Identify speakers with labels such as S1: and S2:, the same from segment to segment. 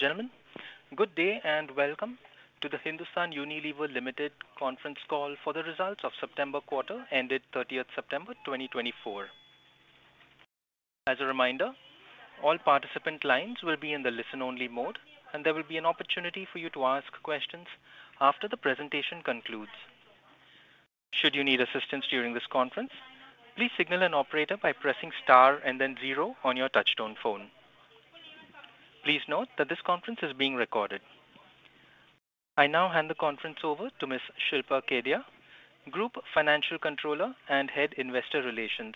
S1: Ladies and gentlemen, good day, and welcome to the Hindustan Unilever Limited Conference Call for the results of September quarter, ended 30 September 2024. As a reminder, all participant lines will be in the listen-only mode, and there will be an opportunity for you to ask questions after the presentation concludes. Should you need assistance during this conference, please signal an operator by pressing Star and then zero on your touchtone phone. Please note that this conference is being recorded. I now hand the conference over to Ms. Shilpa Kedia, Group Financial Controller and Head Investor Relations.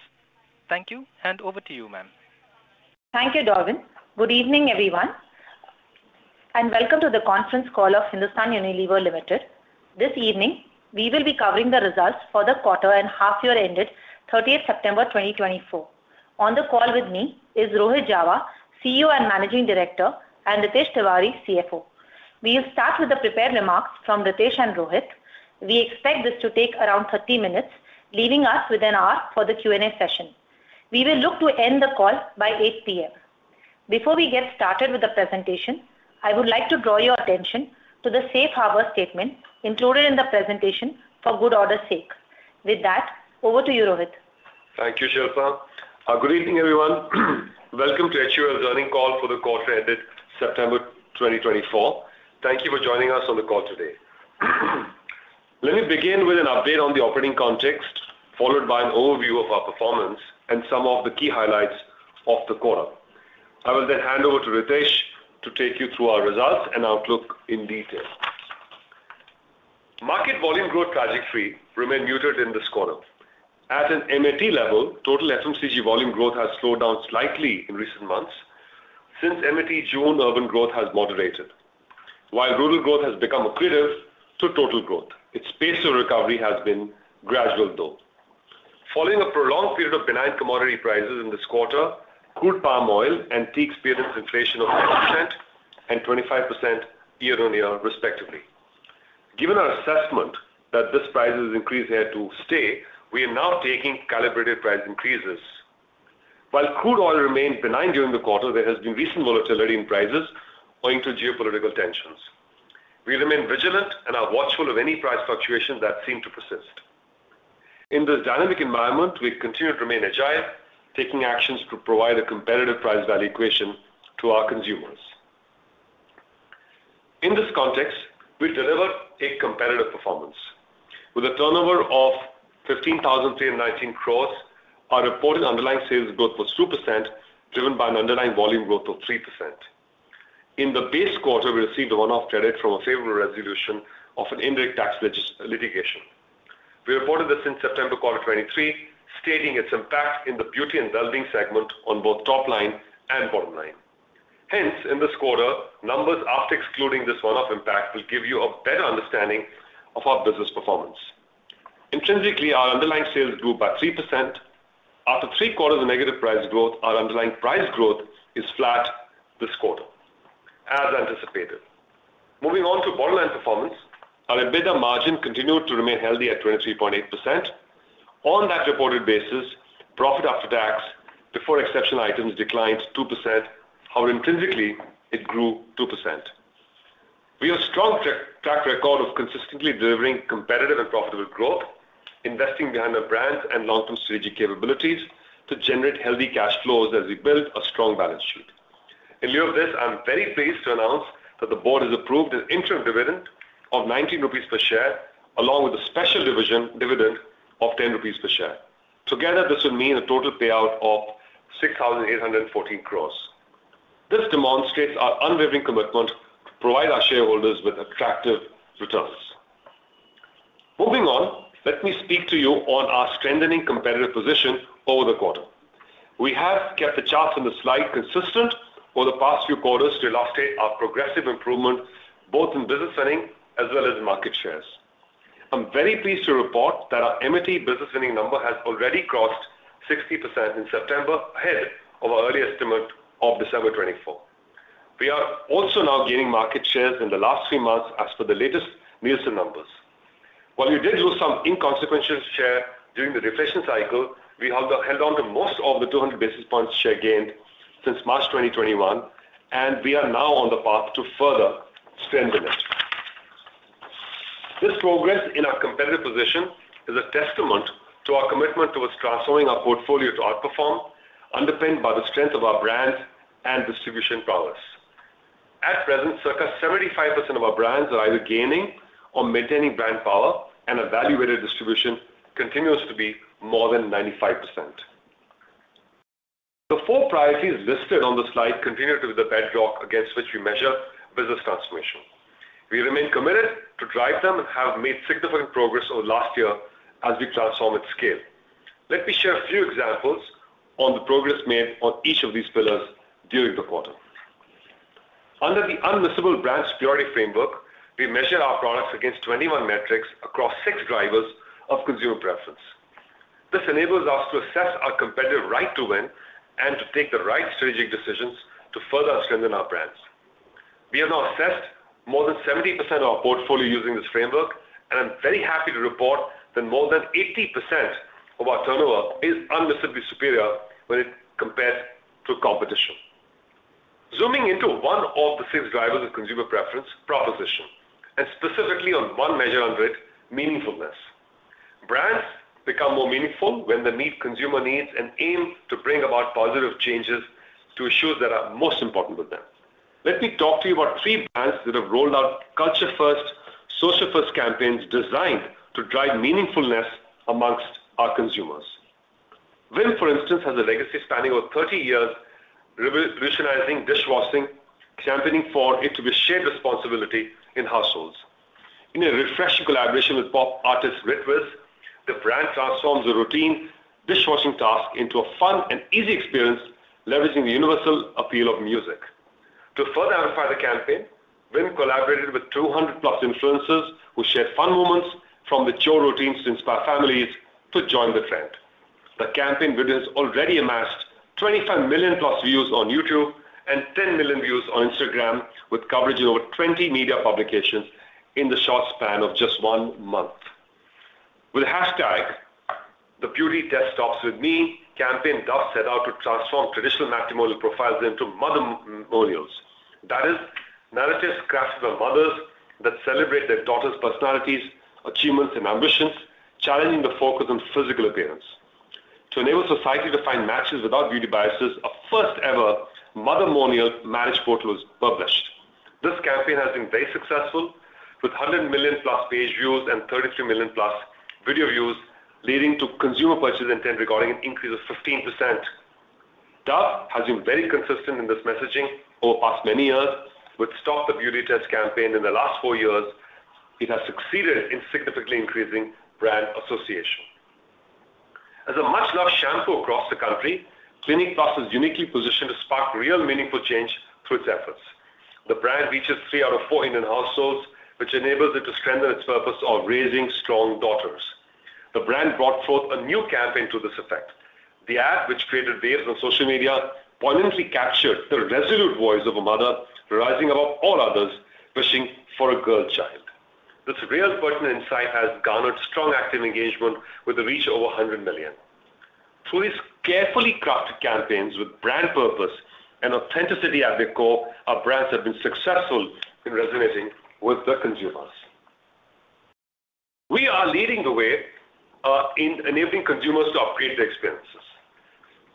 S1: Thank you, and over to you, ma'am.
S2: Thank you, Darwin. Good evening, everyone, and welcome to the conference call of Hindustan Unilever Limited. This evening, we will be covering the results for the quarter and half year ended thirtieth September 2024. On the call with me is Rohit Jawa, CEO and Managing Director, and Ritesh Tiwari, CFO. We'll start with the prepared remarks from Ritesh and Rohit. We expect this to take around thirty minutes, leaving us with an hour for the Q&A session. We will look to end the call by 8:00 P.M. Before we get started with the presentation, I would like to draw your attention to the safe harbor statement included in the presentation for good order sake. With that, over to you, Rohit.
S3: Thank you, Shilpa. Good evening, everyone. Welcome to HUL's earnings call for the quarter ended September 2024. Thank you for joining us on the call today. Let me begin with an update on the operating context, followed by an overview of our performance and some of the key highlights of the quarter. I will then hand over to Ritesh to take you through our results and outlook in detail. Market volume growth trajectory remained muted in this quarter. At an MAT level, total FMCG volume growth has slowed down slightly in recent months since MAT June urban growth has moderated. While rural growth has become accretive to total growth, its pace of recovery has been gradual, though. Following a prolonged period of benign commodity prices in this quarter, crude palm oil and tea experienced inflation of 10% and 25% year-on-year, respectively. Given our assessment that this price increase is here to stay, we are now taking calibrated price increases. While crude oil remained benign during the quarter, there has been recent volatility in prices owing to geopolitical tensions. We remain vigilant and are watchful of any price fluctuations that seem to persist. In this dynamic environment, we continue to remain agile, taking actions to provide a competitive price value equation to our consumers. In this context, we delivered a competitive performance. With a turnover of 15,319 crores, our reported underlying sales growth was 2%, driven by an underlying volume growth of 3%. In the base quarter, we received a one-off credit from a favorable resolution of an indirect tax litigation. We reported this in September quarter 2023, stating its impact in the beauty and wellbeing segment on both top line and bottom line. Hence, in this quarter, numbers after excluding this one-off impact will give you a better understanding of our business performance. Intrinsically, our underlying sales grew by 3%. After three quarters of negative price growth, our underlying price growth is flat this quarter, as anticipated. Moving on to bottom line performance, our EBITDA margin continued to remain healthy at 23.8%. On that reported basis, profit after tax, before exceptional items declined 2%, however, intrinsically it grew 2%. We have a strong track record of consistently delivering competitive and profitable growth, investing behind our brands and long-term strategic capabilities to generate healthy cash flows as we build a strong balance sheet. In lieu of this, I'm very pleased to announce that the Board has approved an interim dividend of 90 rupees per share, along with a special dividend of 10 rupees per share. Together, this will mean a total payout of 6,814 crores. This demonstrates our unwavering commitment to provide our shareholders with attractive returns. Moving on, let me speak to you on our strengthening competitive position over the quarter. We have kept the charts on the slide consistent over the past few quarters to illustrate our progressive improvement, both in business winning as well as in market shares. I'm very pleased to report that our MAT business winning number has already crossed 60% in September, ahead of our early estimate of December 2024. We are also now gaining market shares in the last three months as per the latest Nielsen numbers. While we did lose some inconsequential share during the deflation cycle, we held on, held on to most of the 200 basis points share gained since March 2021, and we are now on the path to further strengthen it. This progress in our competitive position is a testament to our commitment towards transforming our portfolio to outperform, underpinned by the strength of our brands and distribution prowess. At present, circa 75% of our brands are either gaining or maintaining brand power, and evaluated distribution continues to be more than 95%. The four priorities listed on the slide continue to be the bedrock against which we measure business transformation. We remain committed to drive them and have made significant progress over last year as we transform at scale. Let me share a few examples on the progress made on each of these pillars during the quarter. Under the Unmissable Brands Priority Framework, we measure our products against 21 metrics across six drivers of consumer preference. This enables us to assess our competitive right to win and to take the right strategic decisions to further strengthen our brands. We have now assessed more than 70% of our portfolio using this framework. I'm very happy to report that more than 80% of our turnover is unbelievably superior when it's compared to competition. Zooming into one of the six drivers of consumer preference, proposition, and specifically on one measure under it, meaningfulness. Brands become more meaningful when they meet consumer needs and aim to bring about positive changes to issues that are most important to them. Let me talk to you about three brands that have rolled out culture-first, social-first campaigns designed to drive meaningfulness among our consumers. Vim, for instance, has a legacy spanning over 30 years, revolutionizing dishwashing, championing for it to be a shared responsibility in households. In a refreshing collaboration with pop artist Ritviz, the brand transforms the routine dishwashing task into a fun and easy experience, leveraging the universal appeal of music. To further amplify the campaign, Vim collaborated with 200-plus influencers who shared fun moments from the chore routines to inspire families to join the trend. The campaign videos already amassed 25 million plus views on YouTube and 10 million views on Instagram, with coverage in over 20 media publications in the short span of just one month. With the hashtag The Beauty Test Stops With Me, the Dove campaign set out to transform traditional matrimonial profiles into Mothermonials. That is, narratives crafted by mothers that celebrate their daughters' personalities, achievements, and ambitions, challenging the focus on physical appearance. To enable society to find matches without beauty biases, a first-ever matrimonial marriage portal was published. This campaign has been very successful, with 100 million plus page views and 33 million plus video views, leading to consumer purchase intent recording an increase of 15%. Dove has been very consistent in this messaging over the past many years. With Stop the Beauty Test campaign in the last four years, it has succeeded in significantly increasing brand association. As a much-loved shampoo across the country, Clinic Plus is uniquely positioned to spark real meaningful change through its efforts. The brand reaches three out of four Indian households, which enables it to strengthen its purpose of raising strong daughters. The brand brought forth a new campaign to this effect. The ad, which created waves on social media, poignantly captured the resolute voice of a mother rising above all others, wishing for a girl child. This real personal insight has garnered strong active engagement with a reach of over a hundred million. Through these carefully crafted campaigns with brand purpose and authenticity at the core, our brands have been successful in resonating with the consumers. We are leading the way in enabling consumers to upgrade their experiences.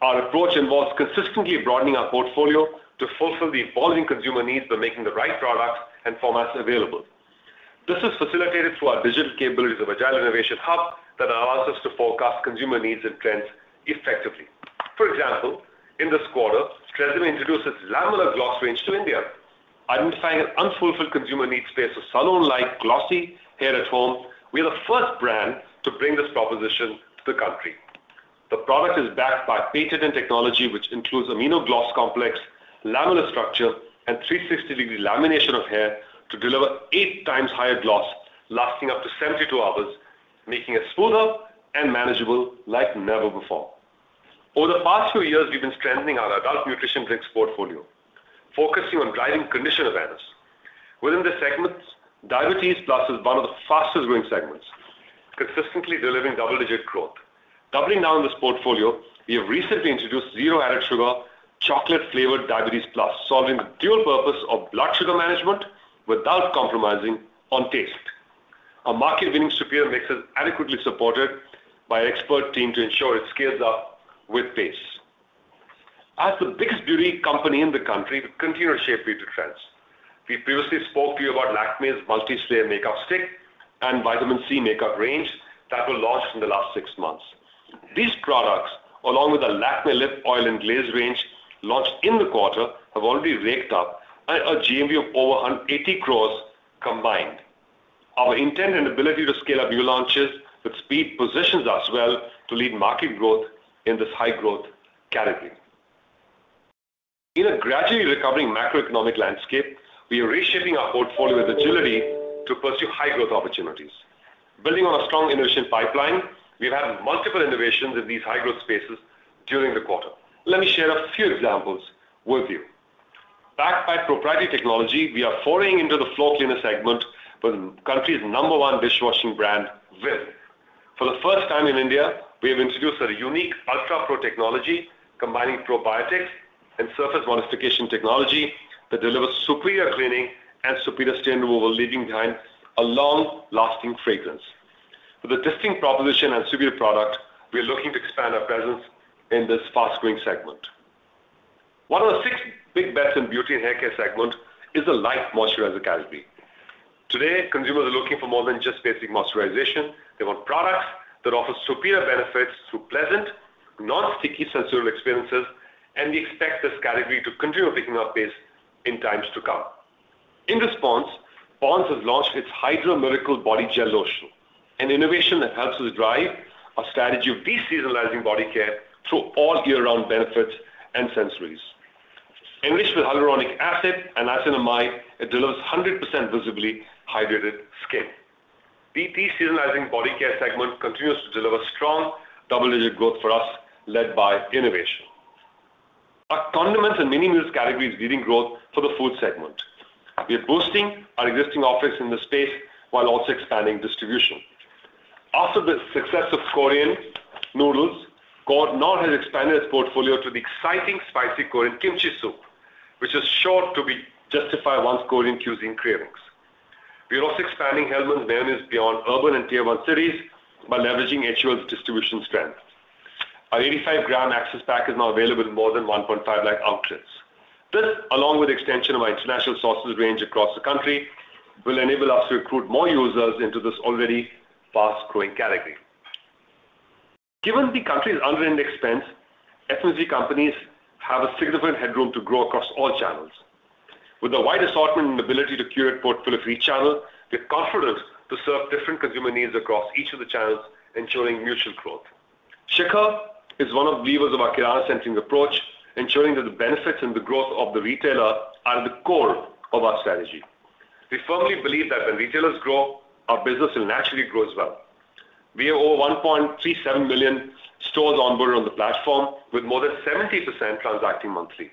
S3: Our approach involves consistently broadening our portfolio to fulfill the evolving consumer needs by making the right products and formats available. This is facilitated through our digital capabilities of Agile Innovation Hub that allows us to forecast consumer needs and trends effectively. For example, in this quarter, TRESemmé introduced its Lamellar Gloss range to India, identifying an unfulfilled consumer needs space of salon-like glossy hair at home. We are the first brand to bring this proposition to the country. The product is backed by patented technology, which includes Amino Gloss Complex, lamellar structure, and 360-degree lamination of hair to deliver eight times higher gloss, lasting up to 72 hours, making it smoother and manageable like never before. Over the past few years, we've been strengthening our adult nutrition drinks portfolio, focusing on driving condition awareness. Within this segment, Diabetes Plus is one of the fastest growing segments, consistently delivering double-digit growth. Doubling down on this portfolio, we have recently introduced zero added sugar, chocolate-flavored Diabetes Plus, solving the dual purpose of blood sugar management without compromising on taste. Our market-winning superior mix is adequately supported by expert team to ensure it scales up with pace. As the biggest beauty company in the country, we continue to shape beauty trends. We previously spoke to you about Lakmé's MultiSlayer Makeup Stick and Vitamin C Makeup Range that were launched in the last six months. These products, along with the Lakmé Lip Oil and Glaze Range, launched in the quarter, have already raked up a GMV of over 180 crores combined. Our intent and ability to scale up new launches with speed positions us well to lead market growth in this high-growth category. In a gradually recovering macroeconomic landscape, we are reshaping our portfolio with agility to pursue high-growth opportunities. Building on a strong innovation pipeline, we've had multiple innovations in these high-growth spaces during the quarter. Let me share a few examples with you. Backed by proprietary technology, we are foraying into the floor cleaner segment for the country's number one dishwashing brand, Vim. For the first time in India, we have introduced a unique Ultra Pro technology, combining probiotics and surface modification technology that delivers superior cleaning and superior stain removal, leaving behind a long-lasting fragrance. With a distinct proposition and superior product, we are looking to expand our presence in this fast-growing segment. One of the six big bets in beauty and hair care segment is the light moisturizer category. Today, consumers are looking for more than just basic moisturization. They want products that offer superior benefits through pleasant, non-sticky sensorial experiences, and we expect this category to continue picking up pace in times to come. In response, Pond's has launched its Hydra Miracle Body Gel Lotion, an innovation that helps to drive our strategy of de-seasonalizing body care through all year-round benefits and sensories. Enriched with hyaluronic acid and niacinamide, it delivers 100% visibly hydrated skin. De-seasonalizing body care segment continues to deliver strong double-digit growth for us, led by innovation in condiments and mini meals categories leading growth for the food segment. We are boosting our existing office in the space while also expanding distribution. After the success of Korean noodles, Knorr has expanded its portfolio to the exciting spicy Korean Kimchi Soup, which is sure to satisfy one's Korean cuisine cravings. We are also expanding Hellmann's awareness beyond urban and Tier One cities by leveraging HUL's distribution strength. Our 85-gram access pack is now available in more than 1.5 lakh outlets. This, along with extension of our international sauces range across the country, will enable us to recruit more users into this already fast-growing category. Given the country's underindex spend, FMCG companies have a significant headroom to grow across all channels. With a wide assortment and ability to curate portfolio of each channel, we are confident to serve different consumer needs across each of the channels, ensuring mutual growth. Shikhar is one of the levers of our kirana-centric approach, ensuring that the benefits and the growth of the retailer are the core of our strategy. We firmly believe that when retailers grow, our business will naturally grow as well. We have over 1.37 million stores onboarded on the platform, with more than 70% transacting monthly.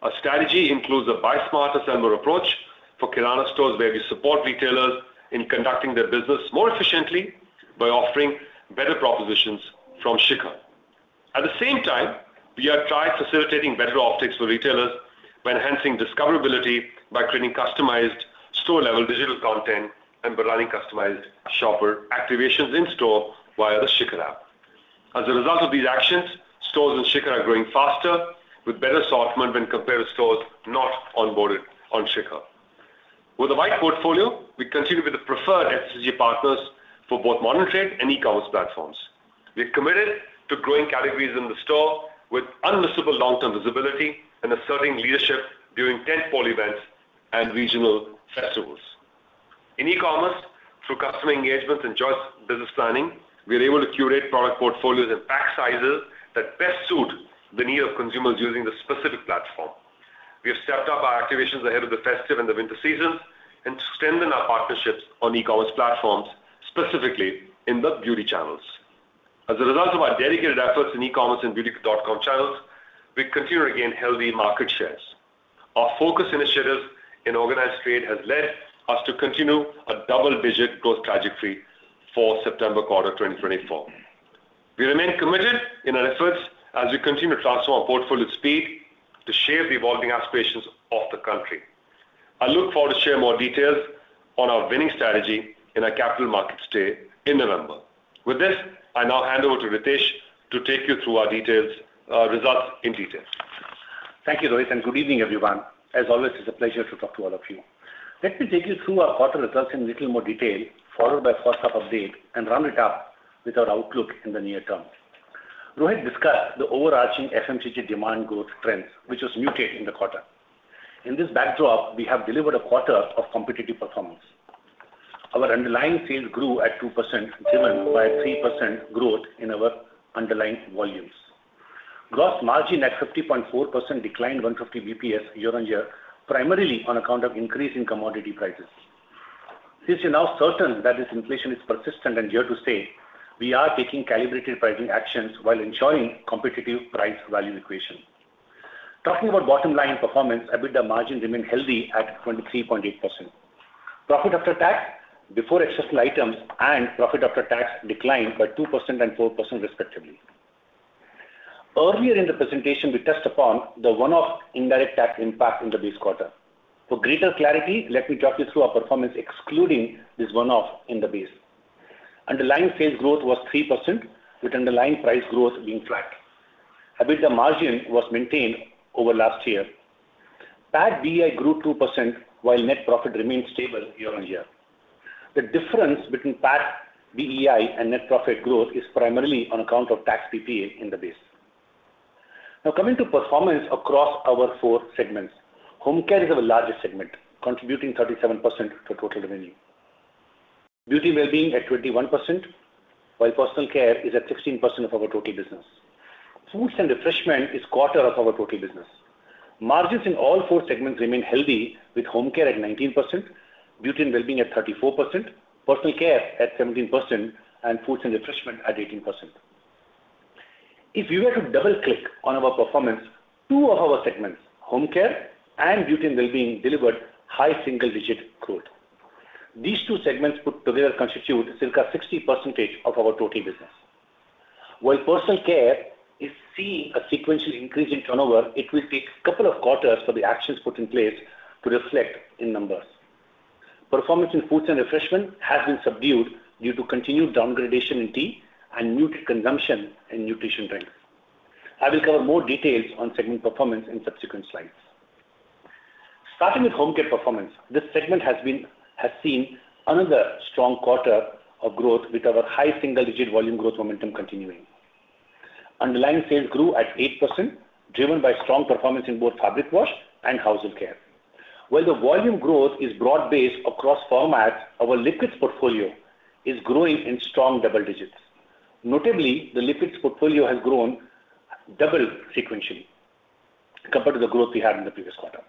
S3: Our strategy includes a Buy Smarter, Sell Smarter approach for kirana stores, where we support retailers in conducting their business more efficiently by offering better propositions from Shikhar. At the same time, we have tried facilitating better off-takes for retailers by enhancing discoverability, by creating customized store-level digital content, and by running customized shopper activations in store via the Shikhar app. As a result of these actions, stores in Shikhar are growing faster with better assortment when compared to stores not onboarded on Shikhar. With the right portfolio, we continue to be the preferred FMCG partners for both modern trade and e-commerce platforms. We are committed to growing categories in the store with unmissable long-term visibility and asserting leadership during tentpole events and regional festivals. In e-commerce, through customer engagement and joint business planning, we are able to curate product portfolios and pack sizes that best suit the need of consumers using the specific platform. We have stepped up our activations ahead of the festive and the winter season and strengthened our partnerships on e-commerce platforms, specifically in the beauty channels. As a result of our dedicated efforts in e-commerce and beauty.com channels, we continue to gain healthy market shares. Our focus initiatives in organized trade has led us to continue a double-digit growth trajectory for September quarter 2024. We remain committed in our efforts as we continue to transform our portfolio speed to share the evolving aspirations of the country. I look forward to share more details on our winning strategy in our capital markets day in November. With this, I now hand over to Ritesh to take you through our details, results in detail.
S4: Thank you, Rohit, and good evening, everyone. As always, it's a pleasure to talk to all of you. Let me take you through our quarter results in little more detail, followed by first half update, and round it up with our outlook in the near term. Rohit discussed the overarching FMCG demand growth trends, which was muted in the quarter. In this backdrop, we have delivered a quarter of competitive performance. Our underlying sales grew at 2%, driven by a 3% growth in our underlying volumes. Gross margin at 50.4% declined 150 basis points year on year, primarily on account of increase in commodity prices. Since we're now certain that this inflation is persistent and here to stay, we are taking calibrated pricing actions while ensuring competitive price value equation. Talking about bottom line performance, EBITDA margins remain healthy at 23.8%. Profit after tax, before exceptional items, and profit after tax declined by 2% and 4% respectively. Earlier in the presentation, we touched upon the one-off indirect tax impact in the base quarter. For greater clarity, let me walk you through our performance, excluding this one-off in the base. Underlying sales growth was 3%, with underlying price growth being flat. EBITDA margin was maintained over last year. PAT BEI grew 2%, while net profit remained stable year on year. The difference between PAT BEI and net profit growth is primarily on account of tax PPA in the base. Now, coming to performance across our four segments. Home care is our largest segment, contributing 37% to total revenue. Beauty and wellbeing at 21%, while personal care is at 16% of our total business. Foods and refreshment is a quarter of our total business. Margins in all four segments remain healthy, with home care at 19%, beauty and wellbeing at 34%, personal care at 17%, and foods and refreshment at 18%. If you were to double-click on our performance, two of our segments, home care and beauty and wellbeing, delivered high single-digit growth. These two segments put together constitute circa 60% of our total business. While personal care is seeing a sequential increase in turnover, it will take a couple of quarters for the actions put in place to reflect in numbers. Performance in foods and refreshment has been subdued due to continued degradation in tea and muted consumption in nutrition drinks. I will cover more details on segment performance in subsequent slides. Starting with home care performance, this segment has seen another strong quarter of growth, with our high single-digit volume growth momentum continuing. Underlying sales grew at 8%, driven by strong performance in both fabric wash and household care. While the volume growth is broad-based across formats, our liquids portfolio is growing in strong double digits. Notably, the liquids portfolio has grown double sequentially compared to the growth we had in the previous quarter.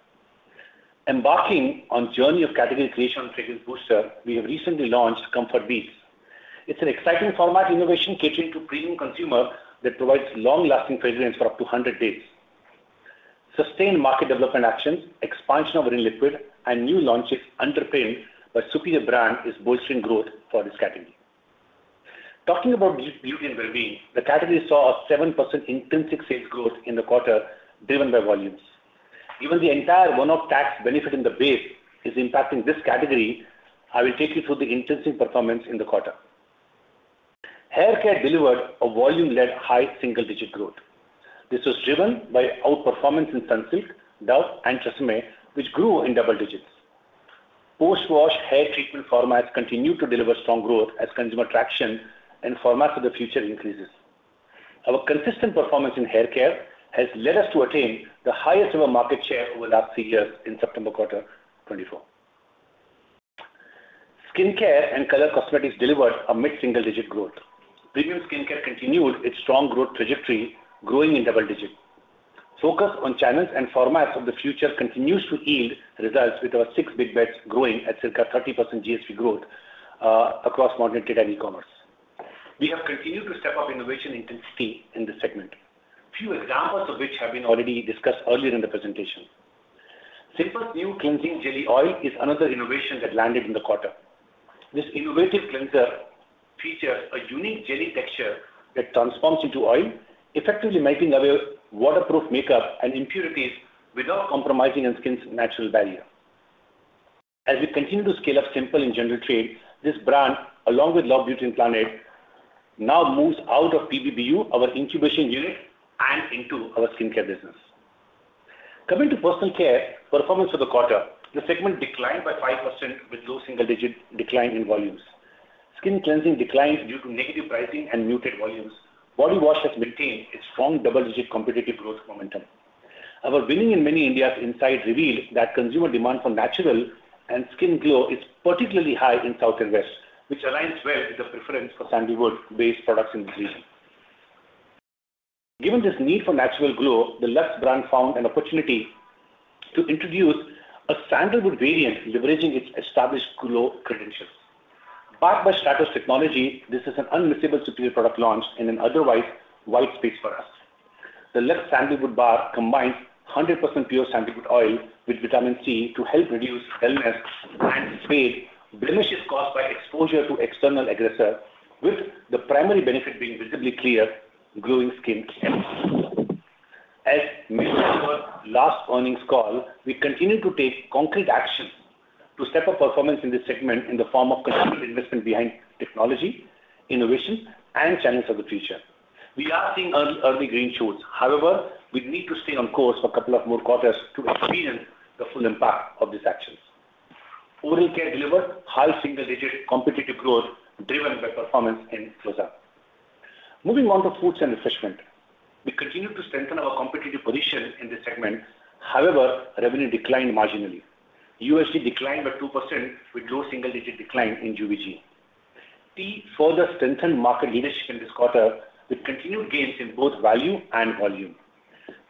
S4: Embarking on journey of category creation on fragrance booster, we have recently launched Comfort Beads. It's an exciting format innovation catering to premium consumer that provides long-lasting fragrance for up to 100 days. Sustained market development actions, expansion of Rin liquid, and new launches underpinned by superior brand is bolstering growth for this category. Talking about beauty and well-being, the category saw a 7% intrinsic sales growth in the quarter, driven by volumes. Given the entire one-off tax benefit in the base is impacting this category, I will take you through the intrinsic performance in the quarter. Hair care delivered a volume-led high single-digit growth. This was driven by outperformance in Sunsilk, Dove and TRESemmé, which grew in double digits. Post-wash hair treatment formats continue to deliver strong growth as consumer traction and format for the future increases. Our consistent performance in hair care has led us to attain the highest ever market share over the last three years in September quarter 2024. Skincare and color cosmetics delivered a mid-single-digit growth. Premium skincare continued its strong growth trajectory, growing in double digits. Focus on channels and formats of the future continues to yield results with our six big bets growing at circa 30% GSV growth across modern trade and e-commerce. We have continued to step up innovation intensity in this segment. Few examples of which have been already discussed earlier in the presentation. Simple's new cleansing jelly oil is another innovation that landed in the quarter. This innovative cleanser features a unique jelly texture that transforms into oil, effectively wiping away waterproof makeup and impurities without compromising on skin's natural barrier. As we continue to scale up Simple in general trade, this brand, along with Love Beauty and Planet, now moves out of PBBU, our incubation unit, and into our skincare business. Coming to personal care performance for the quarter, the segment declined by 5%, with low single-digit decline in volumes. Skin cleansing declined due to negative pricing and muted volumes. Body wash has maintained its strong double-digit competitive growth momentum. Our Winning in Many Indias insight revealed that consumer demand for natural and skin glow is particularly high in South and West, which aligns well with the preference for sandalwood-based products in this region. Given this need for natural glow, the Lux brand found an opportunity to introduce a sandalwood variant, leveraging its established glow credentials. Backed by Stratos technology, this is an unmissable superior product launch in an otherwise white space for us. The Lux Sandalwood bar combines 100% pure sandalwood oil with vitamin C to help reduce dullness and fade blemishes caused by exposure to external aggressor, with the primary benefit being visibly clear, glowing skin. As mentioned in our last earnings call, we continue to take concrete action to step up performance in this segment in the form of continued investment behind technology, innovation, and channels of the future. We are seeing early, early green shoots. However, we need to stay on course for a couple of more quarters to experience the full impact of these actions. Oral care delivered high single-digit competitive growth, driven by performance in Closeup. Moving on to foods and refreshment. We continue to strengthen our competitive position in this segment. However, revenue declined marginally. USG declined by 2%, with low single-digit decline in UVG. Tea further strengthened market leadership in this quarter, with continued gains in both value and volume.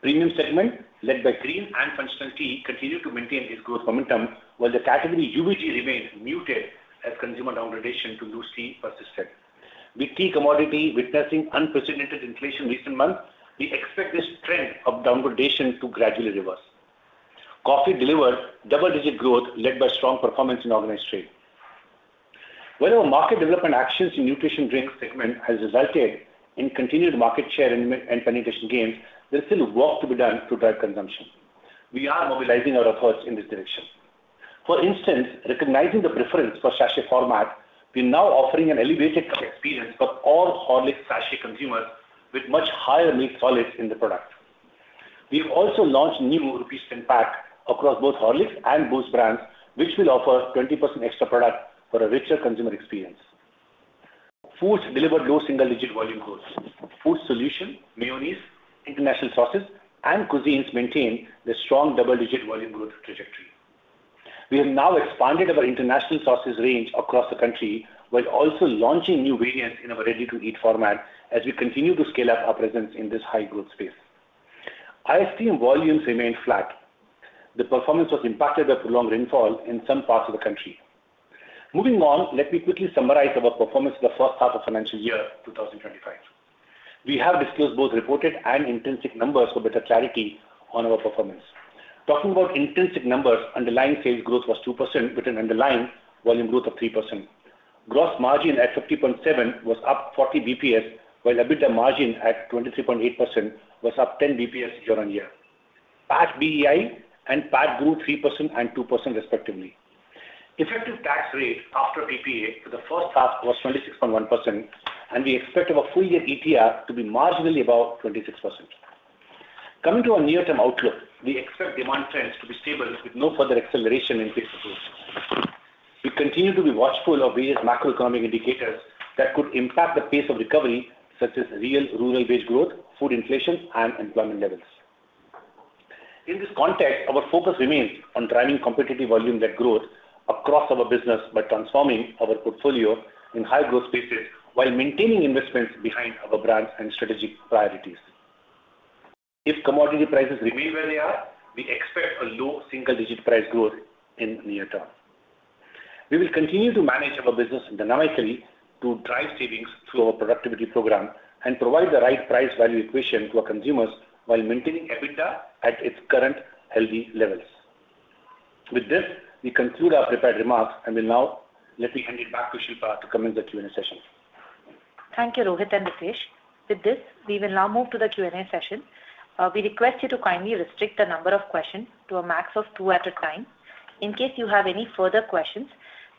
S4: Premium segment, led by green and functional tea, continued to maintain its growth momentum, while the category UVG remained muted as consumer downgradation to loose tea persisted. With tea commodity witnessing unprecedented inflation in recent months, we expect this trend of downgradation to gradually reverse. Coffee delivered double-digit growth, led by strong performance in organized trade. While our market development actions in nutrition drinks segment has resulted in continued market share and penetration gains, there's still work to be done to drive consumption. We are mobilizing our efforts in this direction. For instance, recognizing the preference for sachet format, we are now offering an elevated experience for all Horlicks sachet consumers with much higher milk solids in the product. We've also launched new INR 10 pack across both Horlicks and Boost brands, which will offer 20% extra product for a richer consumer experience. Foods delivered low single-digit volume growth. Food Solutions, mayonnaise, international sauces, and cuisines maintained the strong double-digit volume growth trajectory. We have now expanded our international sauces range across the country, while also launching new variants in our ready-to-eat format as we continue to scale up our presence in this high-growth space. Ice Cream volumes remained flat. The performance was impacted by prolonged rainfall in some parts of the country. Moving on, let me quickly summarize our performance for the first half of financial year 2025. We have disclosed both reported and underlying numbers for better clarity on our performance. Talking about underlying numbers, underlying sales growth was 2%, with an underlying volume growth of 3%. Gross margin at 50.7% was up 40 basis points, while EBITDA margin at 23.8% was up 10 basis points year on year. PAT BEI and PAT grew 3% and 2% respectively. Effective tax rate after PPA for the first half was 26.1%, and we expect our full-year ETR to be marginally above 26%. Coming to our near-term outlook, we expect demand trends to be stable with no further acceleration in FMCG growth. We continue to be watchful of various macroeconomic indicators that could impact the pace of recovery, such as real rural wage growth, food inflation, and employment levels. In this context, our focus remains on driving competitive volume-led growth across our business by transforming our portfolio in high-growth spaces while maintaining investments behind our brands and strategic priorities. If commodity prices remain where they are, we expect a low single-digit price growth in near term. We will continue to manage our business dynamically to drive savings through our productivity program and provide the right price value equation to our consumers while maintaining EBITDA at its current healthy levels. With this, we conclude our prepared remarks and will now let me hand it back to Shilpa to commence the Q&A session.
S2: Thank you, Rohit and Ritesh. With this, we will now move to the Q&A session. We request you to kindly restrict the number of questions to a max of two at a time. In case you have any further questions,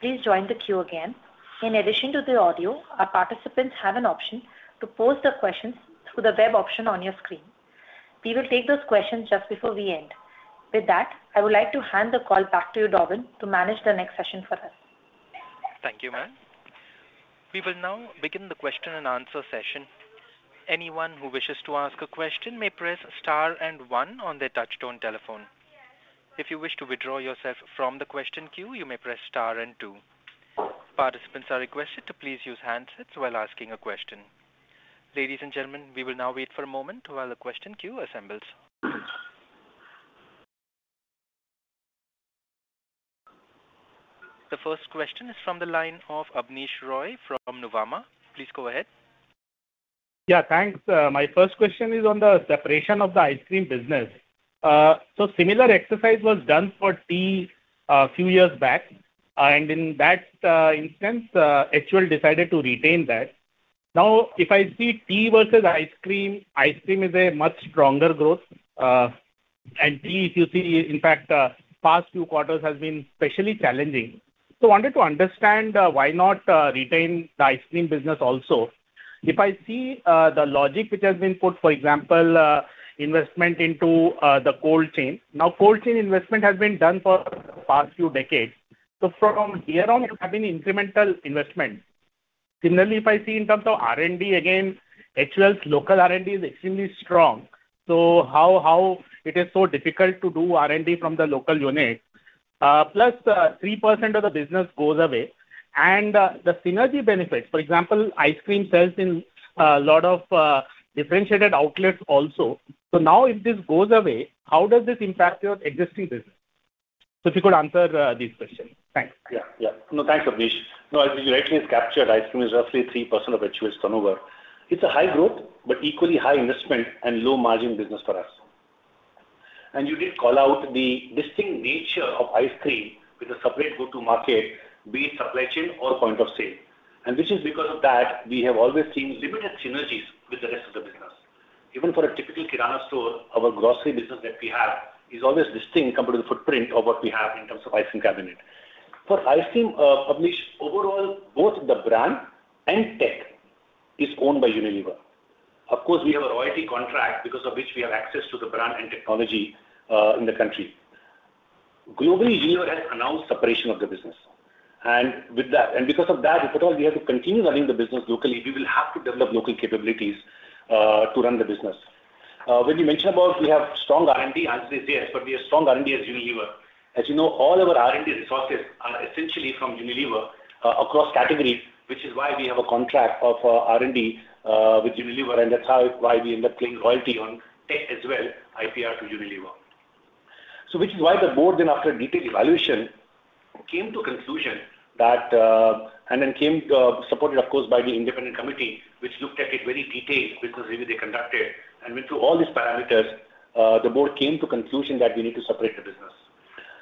S2: please join the queue again. In addition to the audio, our participants have an option to pose their questions through the web option on your screen. We will take those questions just before we end. With that, I would like to hand the call back to you, Darwin, to manage the next session for us.
S1: Thank you, ma'am. We will now begin the Q&A session. Anyone who wishes to ask a question may press star and one on their touchtone telephone. If you wish to withdraw yourself from the question queue, you may press star and two. Participants are requested to please use handsets while asking a question. Ladies and gentlemen, we will now wait for a moment while the question queue assembles. The first question is from the line of Abneesh Roy from Nuvama. Please go ahead.
S5: Yeah, thanks. My first question is on the separation of the ice cream business. So similar exercise was done for tea a few years back, and in that instance, HUL decided to retain that. Now, if I see tea versus ice cream, ice cream is a much stronger growth, and tea, if you see, in fact, past few quarters has been especially challenging. So I wanted to understand, why not retain the ice cream business also? If I see, the logic which has been put, for example, investment into the cold chain. Now, cold chain investment has been done for the past few decades, so from here on, you have been incremental investment. Similarly, if I see in terms of R&D, again, HUL's local R&D is extremely strong. So how how it is so difficult to do R&D from the local unit? Plus, 3% of the business goes away. And the synergy benefits, for example, ice cream sells in a lot of differentiated outlets also. So now, if this goes away, how does this impact your existing business? So if you could answer these questions. Thanks.
S4: Yeah, yeah. No, thanks, Abneesh. No, as you rightly has captured, ice cream is roughly 3% of HUL's turnover. It's a high growth, but equally high investment and low margin business for us. And you did call out the distinct nature of ice cream with a separate go-to-market, be it supply chain or point of sale. And which is because of that, we have always seen limited synergies with the rest of the business. Even for a typical kirana store, our grocery business that we have is always distinct compared to the footprint of what we have in terms of ice cream cabinet. For ice cream, Abneesh, overall, both the brand and tech is owned by Unilever. Of course, we have a royalty contract, because of which we have access to the brand and technology in the country. Globally, Unilever has announced separation of the business, and with that, and because of that, if at all, we have to continue running the business locally, we will have to develop local capabilities, to run the business. When you mention about we have strong R&D, Answer is yes, but we have strong R&D as Unilever. As you know, all our R&D resources are essentially from Unilever, across categories, which is why we have a contract of, R&D, with Unilever, and that's how, why we end up paying royalty on tech as well, IPR to Unilever. So which is why the board, then, after detailed evaluation, came to a conclusion that, supported, of course, by the independent committee, which looked at it very detailed, because really they conducted and went through all these parameters, the board came to conclusion that we need to separate the business.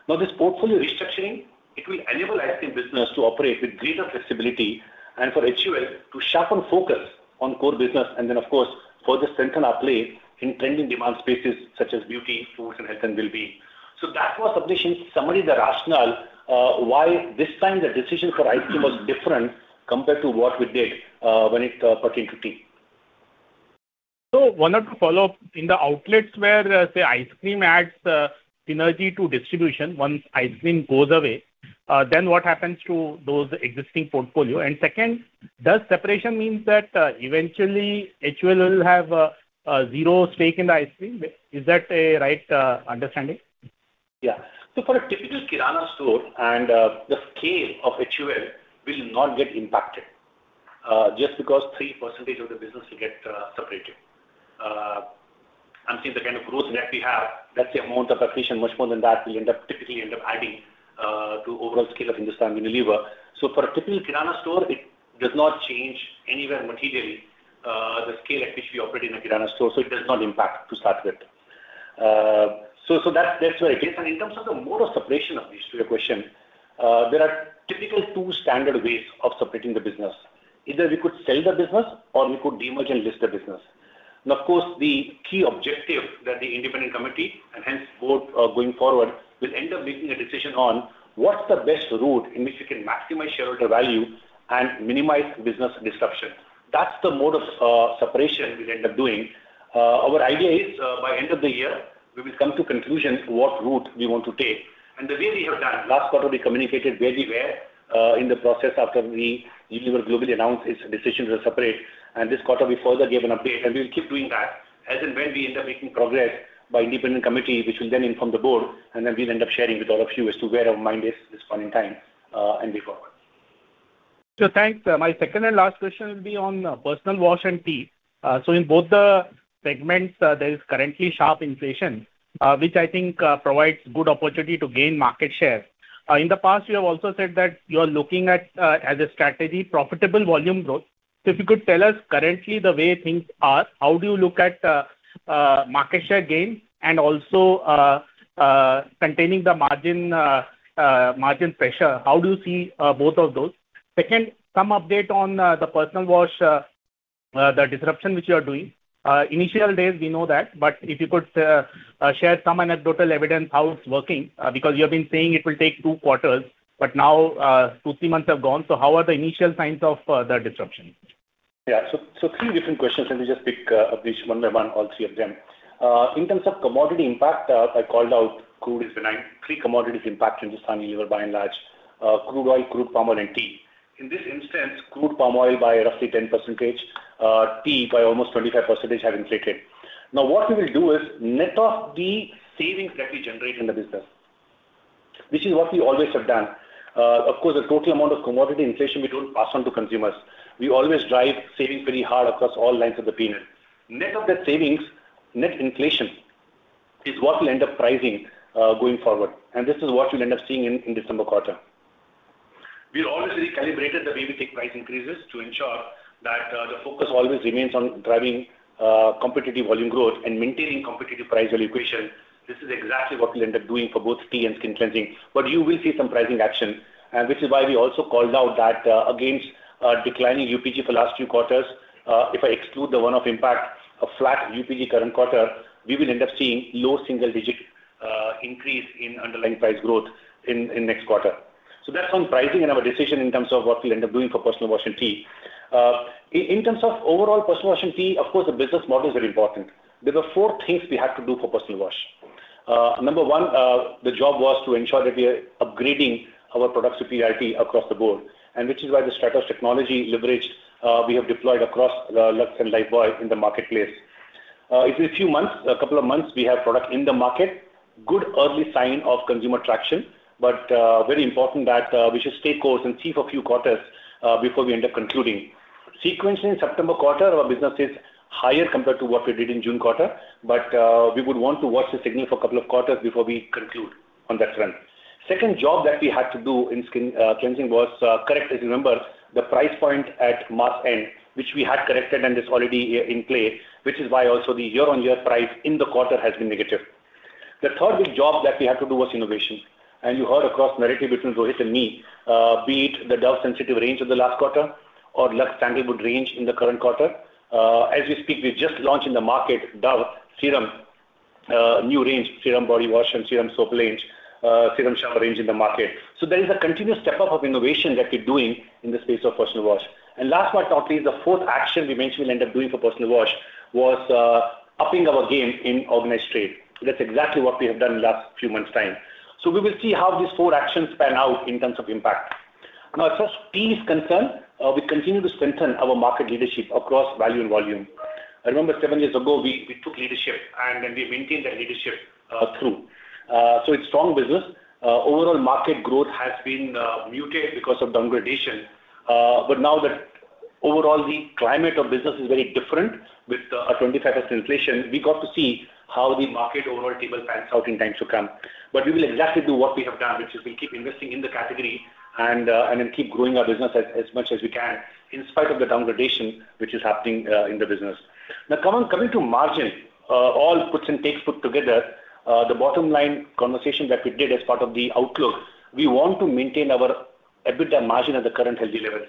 S4: Now, this portfolio restructuring, it will enable ice cream business to operate with greater flexibility and for HUL to sharpen focus on core business, and then, of course, further strengthen our play in trending demand spaces such as beauty, foods, and health and wellbeing. So that was, Abneesh, in summary, the rationale, why this time the decision for ice cream was different compared to what we did, when it pertained to tea.
S5: So one or two follow-up. In the outlets where, say, Ice Cream adds, synergy to distribution, once Ice Cream goes away, then what happens to those existing portfolio? And second, does separation means that, eventually HUL will have a, a zero stake in the Ice Cream? Is that a right, understanding?
S4: Yeah. So for a typical kirana store and the scale of HUL will not get impacted just because 3% of the business will get separated. And since the kind of growth that we have, that's the amount of efficiency much more than that, we typically end up adding to overall scale of Hindustan Unilever. So for a typical kirana store, it does not change anywhere materially the scale at which we operate in a kirana store, so it does not impact to start with. So that's where it is. And in terms of the mode of separation, Abneesh, to your question, there are typically two standard ways of separating the business. Either we could sell the business or we could demerge and list the business. Now, of course, the key objective that the independent committee, and hence board, going forward, will end up making a decision on what's the best route in which we can maximize shareholder value and minimize business disruption. That's the mode of separation we'll end up doing. Our idea is, by end of the year, we will come to conclusion what route we want to take, and the way we have done, last quarter, we communicated where we were in the process after we-- Unilever globally announced its decision to separate, and this quarter, we further gave an update, and we will keep doing that as and when we end up making progress by independent committee, which will then inform the board, and then we'll end up sharing with all of you as to where our mind is this point in time, and way forward.
S5: So thanks. My second and last question will be on personal wash and tea. So in both the segments, there is currently sharp inflation, which I think provides good opportunity to gain market share. In the past, you have also said that you are looking at as a strategy, profitable volume growth. So if you could tell us currently the way things are, how do you look at market share gain and also containing the margin pressure? How do you see both of those? Second, some update on the personal wash, the disruption which you are doing. Initial days, we know that, but if you could share some anecdotal evidence, how it's working, because you have been saying it will take two quarters, but now, two, three months have gone. So how are the initial signs of the disruption?
S4: Yeah. So, so three different questions, let me just pick, Abneesh, one by one, all three of them. In terms of commodity impact, I called out crude is the main three commodities impact in this timeframe, by and large, crude oil, crude palm oil, and tea. In this instance, crude palm oil by roughly 10%, tea by almost 25% have inflated. Now, what we will do is net off the savings that we generate in the business, which is what we always have done. Of course, the total amount of commodity inflation, we don't pass on to consumers. We always drive savings very hard across all lines of the P&L. Net of that savings, net inflation, is what will end up pricing, going forward, and this is what you'll end up seeing in the December quarter. We already recalibrated the way we take price increases to ensure that the focus always remains on driving competitive volume growth and maintaining competitive price equation. This is exactly what we'll end up doing for both tea and skin cleansing. But you will see some pricing action, and which is why we also called out that against declining UPG for the last few quarters, if I exclude the one-off impact of flat UPG current quarter, we will end up seeing low single digit increase in underlying price growth in next quarter. So that's on pricing and our decision in terms of what we'll end up doing for personal wash and tea. In terms of overall personal wash and tea, of course, the business model is very important. There were four things we had to do for personal wash. Number one, the job was to ensure that we are upgrading our products with PIP across the board, and which is why the Stratos technology leverage we have deployed across Lux and Lifebuoy in the marketplace. It's a few months, a couple of months, we have product in the market, good early sign of consumer traction, but very important that we should stay course and see for a few quarters before we end up concluding. Sequencing in September quarter, our business is higher compared to what we did in June quarter, but we would want to watch the signal for a couple of quarters before we conclude on that front. Second job that we had to do in skin cleansing was correct, as you remember, the price point at March end, which we had corrected and is already in play, which is why also the year-on-year price in the quarter has been negative. The third big job that we had to do was innovation, and you heard across narrative between Rohit and me, be it the Dove Sensitive range in the last quarter or Lux Sandalwood range in the current quarter. As we speak, we've just launched in the market, Dove Serum new range, Serum Body Wash and Serum Soap range, Serum Shower range in the market. So there is a continuous step-up of innovation that we're doing in the space of personal wash. And last, but not least, the fourth action we mentioned we'll end up doing for personal wash was upping our game in organized trade. That's exactly what we have done in the last few months' time. We will see how these four actions pan out in terms of impact. Now, as far as tea is concerned, we continue to strengthen our market leadership across value and volume. I remember seven years ago, we took leadership, and then we maintained that leadership through. It's strong business. Overall market growth has been muted because of downgrading. Now that overall the climate of business is very different, with 25% inflation, we got to see how the market overall will pan out in times to come. But we will exactly do what we have done, which is we keep investing in the category and then keep growing our business as much as we can, in spite of the degradation which is happening in the business. Now, coming to margin, all puts and takes put together, the bottom line conversation that we did as part of the outlook, we want to maintain our EBITDA margin at the current healthy levels.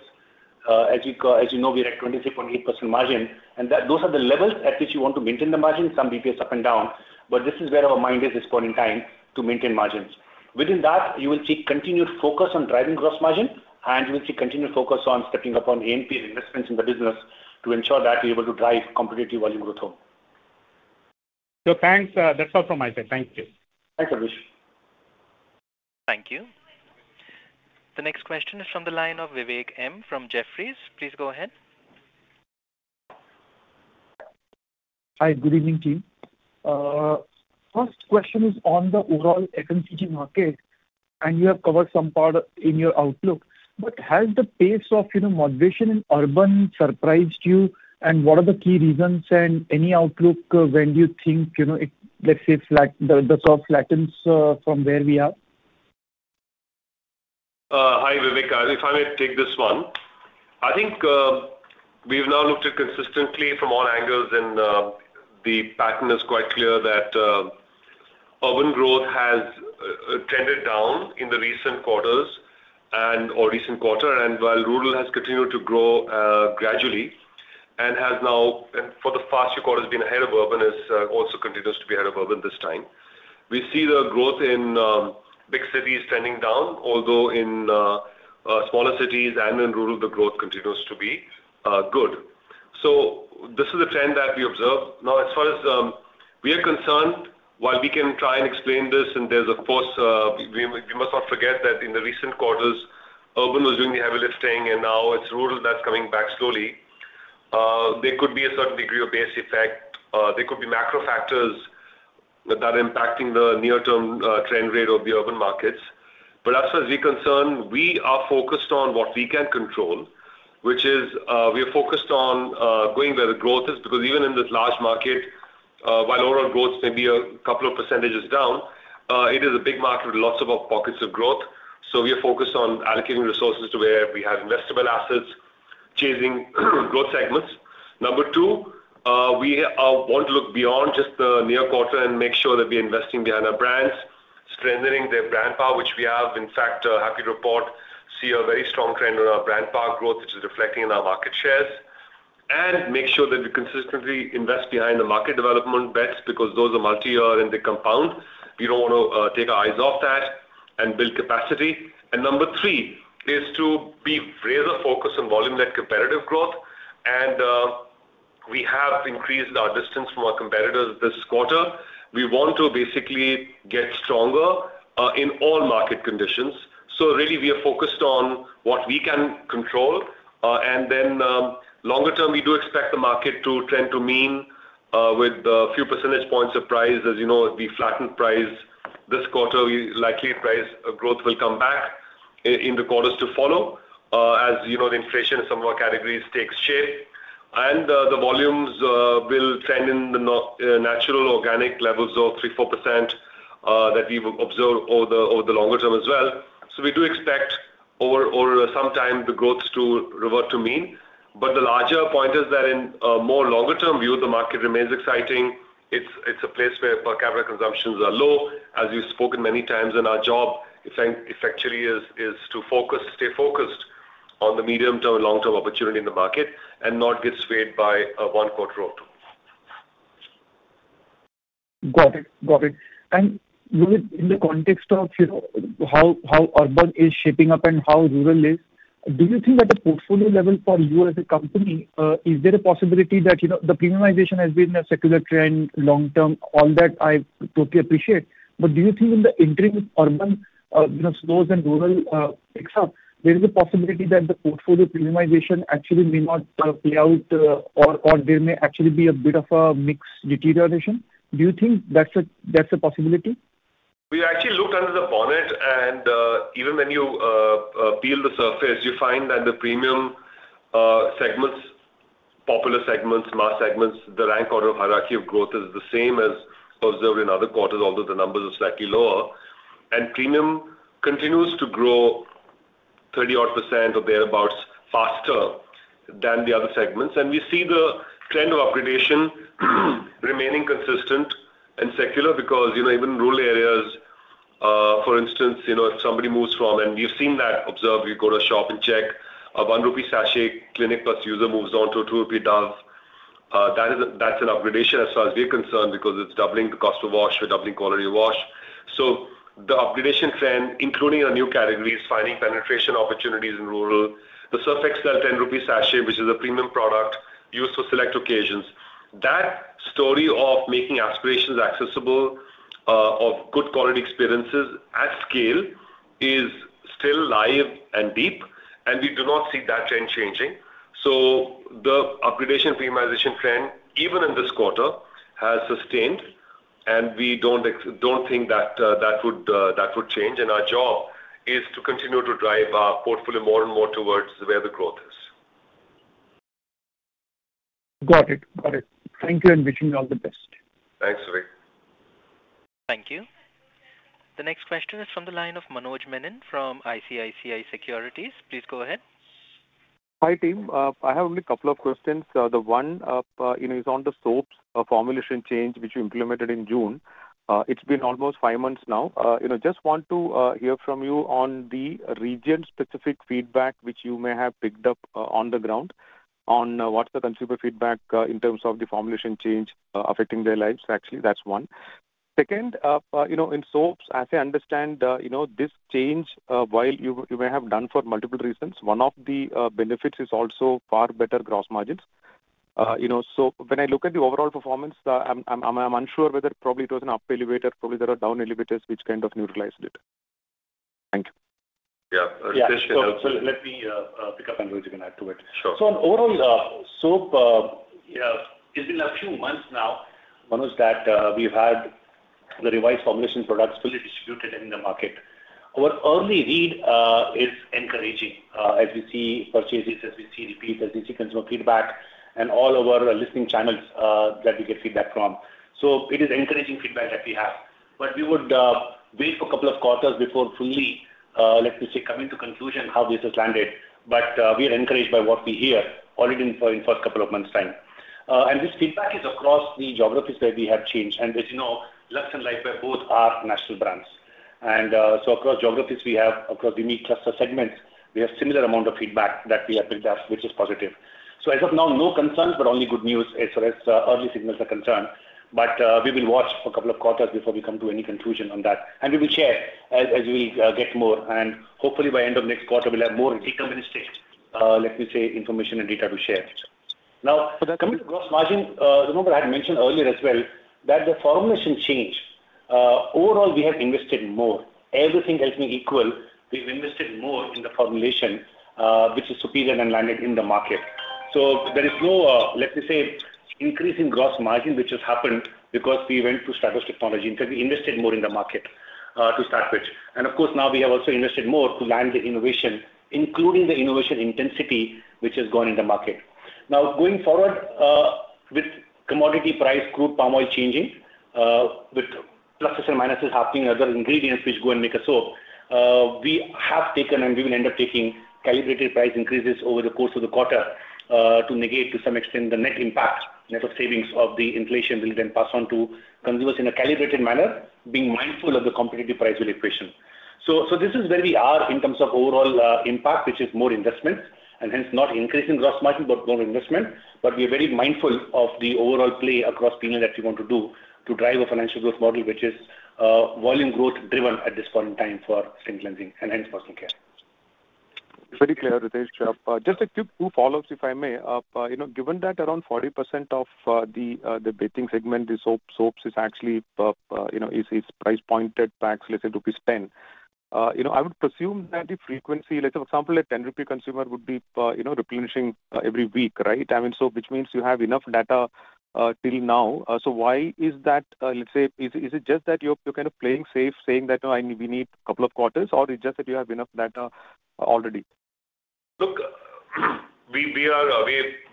S4: As you know, we're at 26.8% margin, and those are the levels at which we want to maintain the margin, some basis points up and down, but this is where our mind is, this point in time, to maintain margins. Within that, you will see continued focus on driving gross margin, and you will see continued focus on stepping up on A&P investments in the business to ensure that we're able to drive competitive volume growth home.
S5: So thanks. That's all from my side. Thank you.
S4: Thanks, Abneesh.
S1: Thank you. The next question is from the line of Vivek M from Jefferies. Please go ahead.
S6: Hi, good evening, team. First question is on the overall FMCG market, and you have covered some part in your outlook. But has the pace of, you know, moderation in urban surprised you, and what are the key reasons and any outlook, when do you think, you know, it, let's say, flat, the curve flattens, from where we are?
S3: Hi, Vivek. If I may take this one. I think, we've now looked at consistently from all angles, and, the pattern is quite clear that, urban growth has, tended down in the recent quarters and/or recent quarter, and while rural has continued to grow, gradually and has now, and for the past quarter, has been ahead of urban, is, also continues to be ahead of urban this time. We see the growth in, big cities trending down, although in, smaller cities and in rural, the growth continues to be, good. So this is a trend that we observe. Now, as far as we are concerned, while we can try and explain this, and there's of course, we must not forget that in the recent quarters, urban was doing the heavy lifting, and now it's rural that's coming back slowly. There could be a certain degree of base effect, there could be macro factors- ... that are impacting the near-term trend rate of the urban markets. But as far as we're concerned, we are focused on what we can control, which is, we are focused on going where the growth is. Because even in this large market, while overall growth may be a couple of percentages down, it is a big market with lots of pockets of growth. So we are focused on allocating resources to where we have investable assets, chasing growth segments. Number two, we want to look beyond just the near quarter and make sure that we are investing behind our brands, strengthening their brand power, which we have, in fact, happy to report we see a very strong trend in our brand power growth, which is reflecting in our market shares. And make sure that we consistently invest behind the market development bets, because those are multi-year and they compound. We don't want to take our eyes off that and build capacity, and number three is to be really focused on volume net competitive growth, and we have increased our distance from our competitors this quarter. We want to basically get stronger in all market conditions, so really, we are focused on what we can control, and then longer term, we do expect the market to trend to mean with a few percentage points of price. As you know, we flattened price this quarter, we likely price growth will come back in the quarters to follow. As you know, the inflation in some of our categories takes shape, and the volumes will trend in the low natural organic levels of 3-4% that we've observed over the longer term as well, so we do expect over some time the growth to revert to mean, but the larger point is that in a more longer-term view the market remains exciting. It's a place where per capita consumptions are low. As we've spoken many times in our calls, it's actually to focus... stay focused on the medium-term and long-term opportunity in the market, and not get swayed by a one-quarter low.
S6: Got it. Got it. And in the context of, you know, how urban is shaping up and how rural is, do you think at the portfolio level, for you as a company, is there a possibility that, you know, the premiumization has been a secular trend long term? All that I totally appreciate. But do you think in the interim, urban, you know, slows and rural picks up, there is a possibility that the portfolio premiumization actually may not play out, or there may actually be a bit of a mix deterioration? Do you think that's that's a possibility?
S3: We actually looked under the bonnet, and even when you peel the surface, you find that the premium segments, popular segments, mass segments, the rank order of hierarchy of growth is the same as observed in other quarters, although the numbers are slightly lower. Premium continues to grow 30-odd% or thereabout, faster than the other segments. And we see the trend of upgradation remaining consistent and secular, because you know, even rural areas, for instance, you know, if somebody moves from a one rupee sachet Clinic Plus to a two rupee Dove. That is, that's an upgradation as far as we're concerned, because it's doubling the cost of wash, we're doubling quality of wash. So the upgradation trend, including our new categories, finding penetration opportunities in rural, the Surf Excel INR 10 sachet, which is a premium product used for select occasions. That story of making aspirations accessible, of good quality experiences at scale, is still live and deep, and we do not see that trend changing. So the upgradation premiumization trend, even in this quarter, has sustained, and we don't think that that that would change. And our job is to continue to drive our portfolio more and more towards where the growth is.
S6: Got it. Got it. Thank you, and wishing you all the best.
S3: Thanks, Vivek.
S1: Thank you. The next question is from the line of Manoj Menon from ICICI Securities. Please go ahead.
S7: Hi, team. I have only a couple of questions. The one, you know, is on the soaps formulation change, which you implemented in June. It's been almost five months now. You know, just want to hear from you on the region-specific feedback, which you may have picked up on the ground, on what's the consumer feedback in terms of the formulation change affecting their lives. Actually, that's one. Second, you know, in soaps, as I understand, you know, this change, while you may have done for multiple reasons, one of the benefits is also far better gross margins. You know, so when I look at the overall performance, I'm unsure whether probably it was an up elevator, probably there are down elevators which kind of neutralized it. Thank you.
S3: Yeah.
S4: So let me pick up, and you can add to it.
S3: Sure.
S4: So, on overall, soap, yeah, it's been a few months now, Manoj, that we've had the revised formulation products fully distributed in the market. Our early read is encouraging, as we see purchases, as we see repeats, as we see consumer feedback and all over our listening channels that we get feedback from. So it is encouraging feedback that we have. But we would wait for a couple of quarters before fully, let me say, coming to conclusion how this has landed, but we are encouraged by what we hear already in first couple of months' time. And this feedback is across the geographies where we have changed. And as you know, Lux and Lifebuoy both are national brands. So across geographies, we have across unique cluster segments, we have similar amount of feedback that we have built up, which is positive. So as of now, no concerns, but only good news as far as early signals are concerned. But we will watch for a couple of quarters before we come to any conclusion on that. And we will share as, as we get more, and hopefully by end of next quarter, we'll have more detailed statistics, let me say, information and data to share. Now, coming to gross margin, remember I had mentioned earlier as well, that the formulation change overall, we have invested more. Everything else being equal, we've invested more in the formulation, which is superior than landed in the market. So there is no, let me say, increase in gross margin, which has happened because we went to Stratos technology, because we invested more in the market, to start with. And of course, now we have also invested more to land the innovation, including the innovation intensity, which has gone in the market. Now, going forward, with commodity price, crude palm oil changing, with pluses and minuses happening, other ingredients which go and make a soap, we have taken, and we will end up taking calibrated price increases over the course of the quarter, to negate to some extent, the net impact. Net of savings of the inflation will then pass on to consumers in a calibrated manner, being mindful of the competitive price equation. So this is where we are in terms of overall impact, which is more investment, and hence not increase in gross margin, but more investment. But we are very mindful of the overall play across P&L that we want to do to drive a financial growth model, which is volume growth driven at this point in time for skin cleansing and hence personal care.
S7: Very clear, Ritesh. Just a quick two follow-ups, if I may. You know, given that around 40% of the bathing segment, the soap, soaps is actually you know, is price pointed packs, let's say, rupees 10. You know, I would presume that the frequency, let's say, for example, an 10 rupee consumer would be you know, replenishing every week, right? I mean, so which means you have enough data till now. So why is that, let's say... Is it just that you're kind of playing safe, saying that, oh, I, we need a couple of quarters, or it's just that you have enough data already?
S3: Look, we are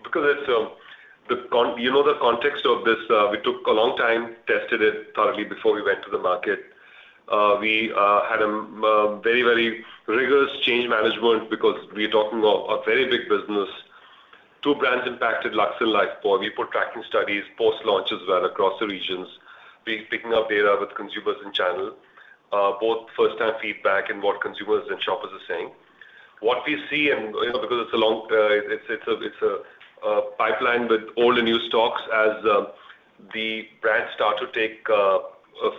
S3: because it's, you know, the context of this, we took a long time, tested it thoroughly before we went to the market. We had a very rigorous change management because we're talking of a very big business. Two brands impacted, Lux and Lifebuoy. We put tracking studies, post-launch as well, across the regions, we picking up data with consumers and channel, both first-time feedback and what consumers and shoppers are saying. What we see and, you know, because it's a long, it's a pipeline with old and new stocks as, the brands start to take, a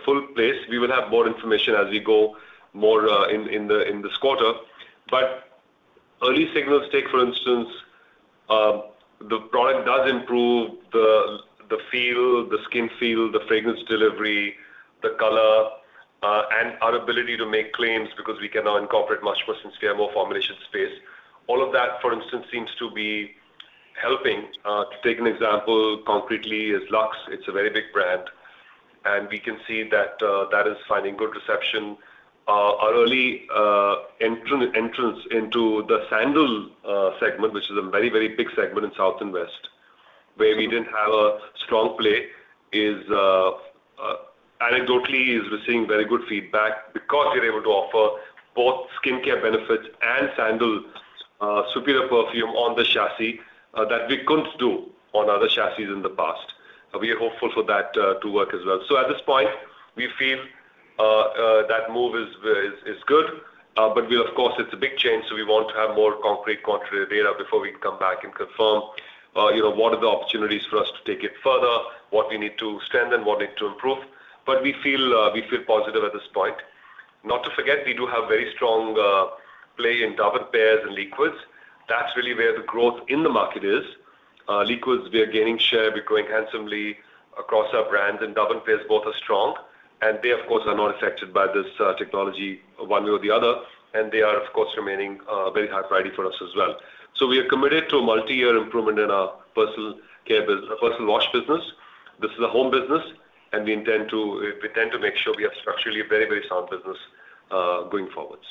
S3: full place. We will have more information as we go more in in this quarter. But early signals take, for instance, the product does improve the feel, the skin feel, the fragrance delivery, the color, and our ability to make claims because we can now incorporate much more since we have more formulation space. All of that, for instance, seems to be helping. To take an example concretely is Lux. It's a very big brand, and we can see that that is finding good reception. Our early entrance into the sandal segment, which is a very, very big segment in South and West, where we didn't have a strong play, is anecdotally receiving very good feedback because we're able to offer both skincare benefits and sandal superior perfume on the chassis that we couldn't do on other chassis in the past. We are hopeful for that to work as well. So at this point, we feel that move is good, but of course it's a big change, so we want to have more concrete data before we come back and confirm, you know, what are the opportunities for us to take it further, what we need to strengthen, what need to improve. But we feel positive at this point. Not to forget, we do have very strong play in deodorants and liquids. That's really where the growth in the market is. Liquids, we are gaining share. We're growing handsomely across our brands, and deodorants both are strong, and they, of course, are not affected by this technology one way or the other. And they are, of course, remaining very healthy for us as well. So we are committed to a multi-year improvement in our personal care personal wash business. This is a home business, and we intend to make sure we have structurally a very, very sound business going forwards.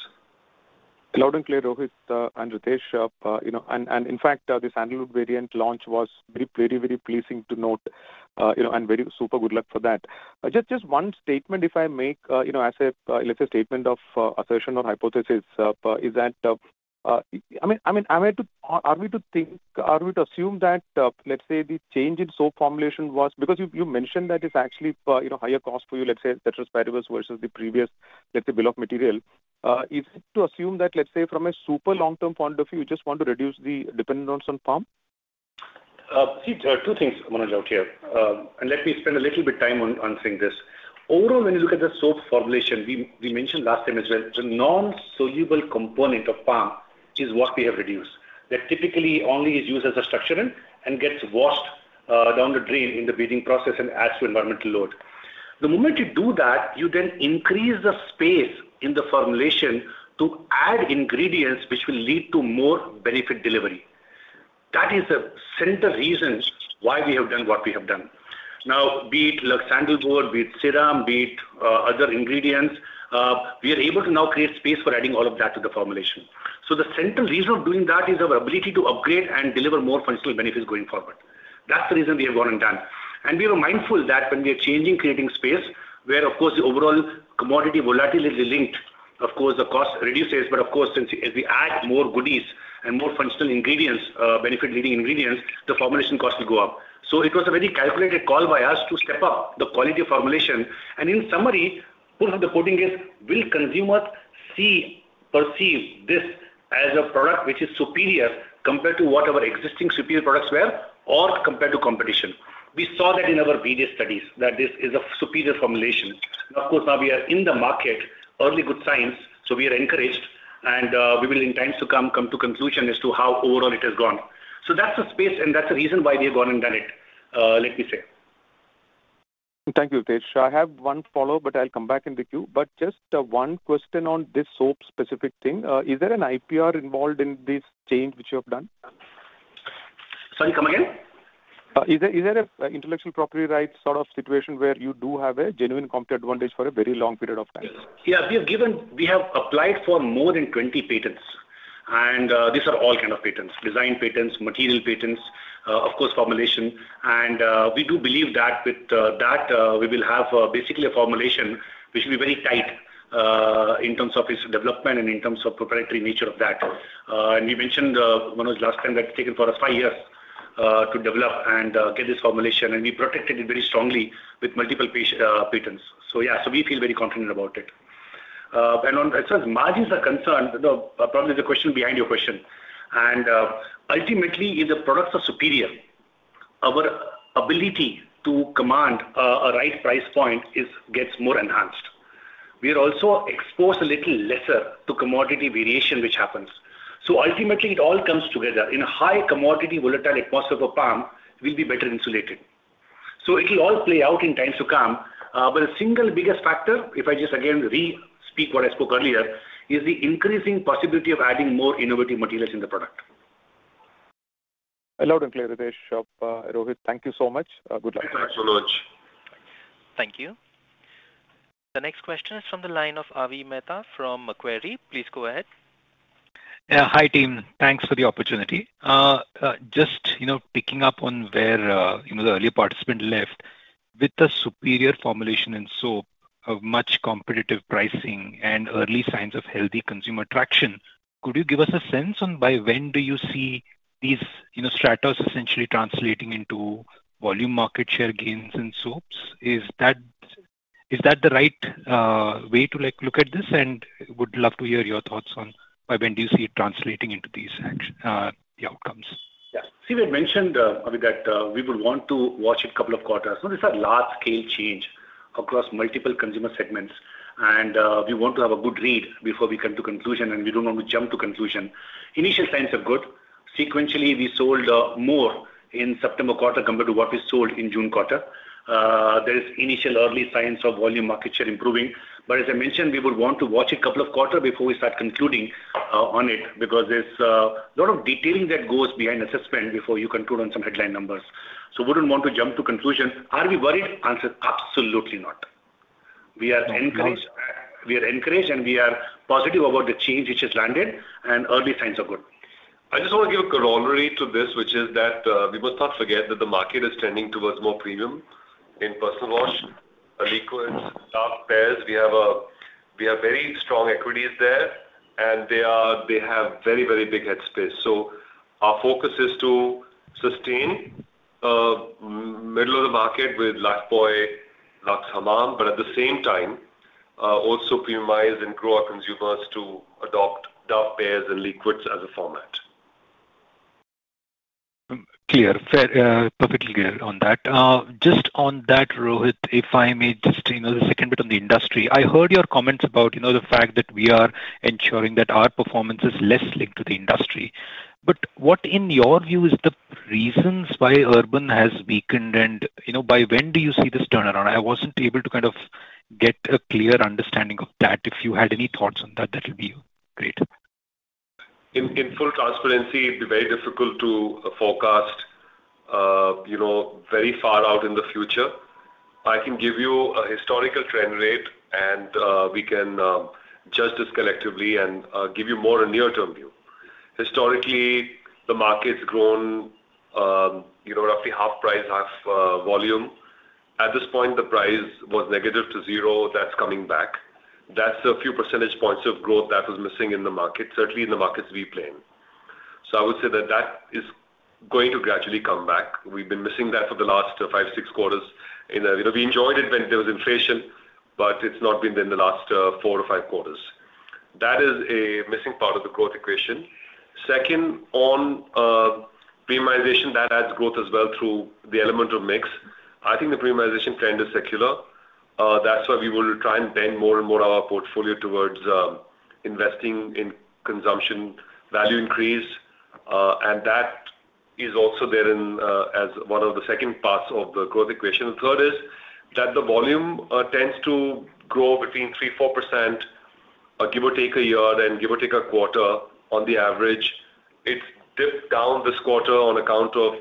S7: Loud and clear, Rohit, and Ritesh. You know, and, and in fact, the sandal variant launch was very, very, very pleasing to note, you know, and very super good luck for that. Just, just one statement, if I may, you know, as a, let's say, statement of, assertion or hypothesis, is that, I mean, I mean, am I to... Are, are we to think, are we to assume that, let's say the change in soap formulation was-- because you, you mentioned that it's actually, you know, higher cost for you, let's say, versus the previous, let's say, bill of material. Is it to assume that, let's say, from a super long-term point of view, you just want to reduce the dependence on palm?
S4: See, two things I want to note here, and let me spend a little bit time on saying this. Overall, when you look at the soap formulation, we mentioned last time as well, the non-soluble component of palm is what we have reduced. That typically only is used as a structuring and gets washed down the drain in the bathing process and adds to environmental load. The moment you do that, you then increase the space in the formulation to add ingredients which will lead to more benefit delivery. That is the central reasons why we have done what we have done. Now, be it Lux Sandalwood, be it serum, be it other ingredients, we are able to now create space for adding all of that to the formulation. So the central reason of doing that is our ability to upgrade and deliver more functional benefits going forward. That's the reason we have gone and done. And we are mindful that when we are changing, creating space, where, of course, the overall commodity volatility is linked, of course, the cost reduces, but of course, since as we add more goodies and more functional ingredients, benefit-leading ingredients, the formulation cost will go up. So it was a very calculated call by us to step up the quality of formulation. And in summary, the bottom line is, will consumers see, perceive this as a product which is superior compared to what our existing superior products were or compared to competition? We saw that in our previous studies, that this is a superior formulation. Of course, now we are in the market, early good signs, so we are encouraged, and we will in times to come come to conclusion as to how overall it has gone. So that's the space, and that's the reason why we have gone and done it, let me say.
S7: Thank you, Ritesh. I have one follow-up, but I'll come back in the queue. But just, one question on this soap-specific thing. Is there an IPR involved in this change which you have done?
S4: Sorry, come again?
S7: Is there an intellectual property right sort of situation where you do have a genuine competitive advantage for a very long period of time?
S4: Yeah, we have applied for more than twenty patents, and these are all kind of patents: design patents, material patents, of course, formulation. And we do believe that with that we will have basically a formulation which will be very tight in terms of its development and in terms of proprietary nature of that. And we mentioned Manoj last time that it's taken for us five years to develop and get this formulation, and we protected it very strongly with multiple patents. So yeah, so we feel very confident about it. And on as far as margins are concerned, the probably the question behind your question, and ultimately, if the products are superior, our ability to command a right price point is gets more enhanced. We are also exposed a little lesser to commodity variation, which happens. So ultimately it all comes together. In a high commodity, volatile atmosphere for palm, we'll be better insulated. So it will all play out in times to come. But the single biggest factor, if I just again re-speak what I spoke earlier, is the increasing possibility of adding more innovative materials in the product.
S7: Loud and clear, Ritesh, Rohit. Thank you so much. Good luck.
S3: Thanks so much.
S1: Thank you. The next question is from the line of Avi Mehta from Macquarie. Please go ahead.
S8: Yeah, hi, team. Thanks for the opportunity. Just, you know, picking up on where, you know, the earlier participant left, with the superior formulation in soap, a much competitive pricing and early signs of healthy consumer traction, could you give us a sense on by when do you see these, you know, Stratis essentially translating into volume market share gains in soaps? Is that, is that the right way to, like, look at this? And would love to hear your thoughts on by when do you see it translating into these actual, the outcomes.
S4: Yeah. See, we had mentioned, Avi, that we would want to watch a couple of quarters. So this is a large-scale change across multiple consumer segments, and we want to have a good read before we come to conclusion, and we don't want to jump to conclusion. Initial signs are good. Sequentially, we sold more in September quarter compared to what we sold in June quarter. There is initial early signs of volume market share improving, but as I mentioned, we would want to watch a couple of quarter before we start concluding on it, because there's a lot of detailing that goes behind assessment before you conclude on some headline numbers. So we wouldn't want to jump to conclusion. Are we worried? Answer, absolutely not. No. We are encouraged, and we are positive about the change which has landed, and early signs are good.
S3: I just want to give a corollary to this, which is that, we must not forget that the market is trending towards more premium in personal wash. Liquids, Dove bars, we have very strong equities there, and they have very, very big headspace, so our focus is to sustain, middle of the market with Lifebuoy, Lux, Hamam, but at the same time, also premiumize and grow our consumers to adopt Dove bars and liquids as a format.
S8: Clear. Fair, perfectly clear on that. Just on that, Rohit, if I may just, you know, the second bit on the industry. I heard your comments about, you know, the fact that we are ensuring that our performance is less linked to the industry. But what, in your view, is the reasons why urban has weakened, and, you know, by when do you see this turnaround? I wasn't able to kind of get a clear understanding of that. If you had any thoughts on that, that would be great.
S3: In full transparency, it'd be very difficult to forecast, you know, very far out in the future. I can give you a historical trend rate, and we can judge this collectively and give you more a near-term view. Historically, the market's grown, you know, roughly half price, half volume. At this point, the price was negative to zero. That's coming back. That's a few percentage points of growth that was missing in the market, certainly in the markets we play in. So I would say that that is going to gradually come back. We've been missing that for the last five, six quarters, and you know, we enjoyed it when there was inflation, but it's not been there in the last four or five quarters. That is a missing part of the growth equation. Second, on premiumization, that adds growth as well through the element of mix. I think the premiumization trend is secular. That's why we will try and bend more and more of our portfolio towards investing in consumption value increase, and that is also there in as one of the second parts of the growth equation. Third is that the volume tends to grow between 3-4% give or take a year and give or take a quarter on the average. It dipped down this quarter on account of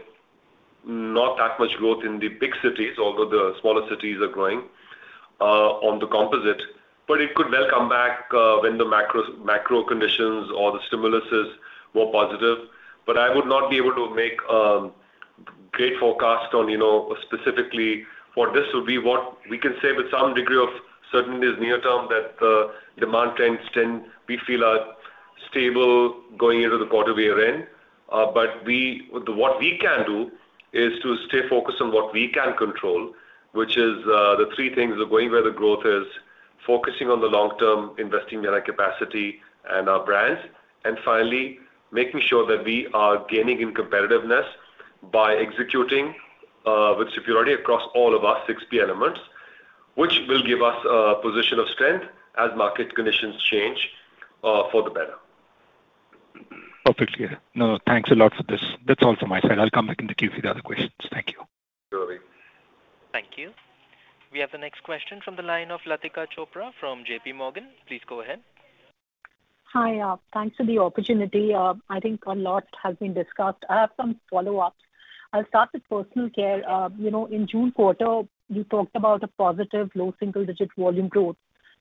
S3: not that much growth in the big cities, although the smaller cities are growing on the composite. But it could well come back when the macro conditions or the stimulus is more positive. But I would not be able to make great forecast on, you know, specifically what this will be. What we can say with some degree of certainty is near term, that the demand trends. We feel are stable going into the quarter we are in, what we can do is to stay focused on what we can control, which is the three things: going where the growth is, focusing on the long term, investing in our capacity and our brands, and finally, making sure that we are gaining in competitiveness by executing. If you're ready across all of our six P elements, which will give us a position of strength as market conditions change, for the better.
S8: Perfect, yeah. No, thanks a lot for this. That's all from my side. I'll come back in the queue for the other questions. Thank you.
S3: Sure, Avi.
S1: Thank you. We have the next question from the line of Latika Chopra from JP Morgan. Please go ahead.
S9: Hi, thanks for the opportunity. I think a lot has been discussed. I have some follow-ups. I'll start with personal care. You know, in June quarter, you talked about a positive, low single-digit volume growth.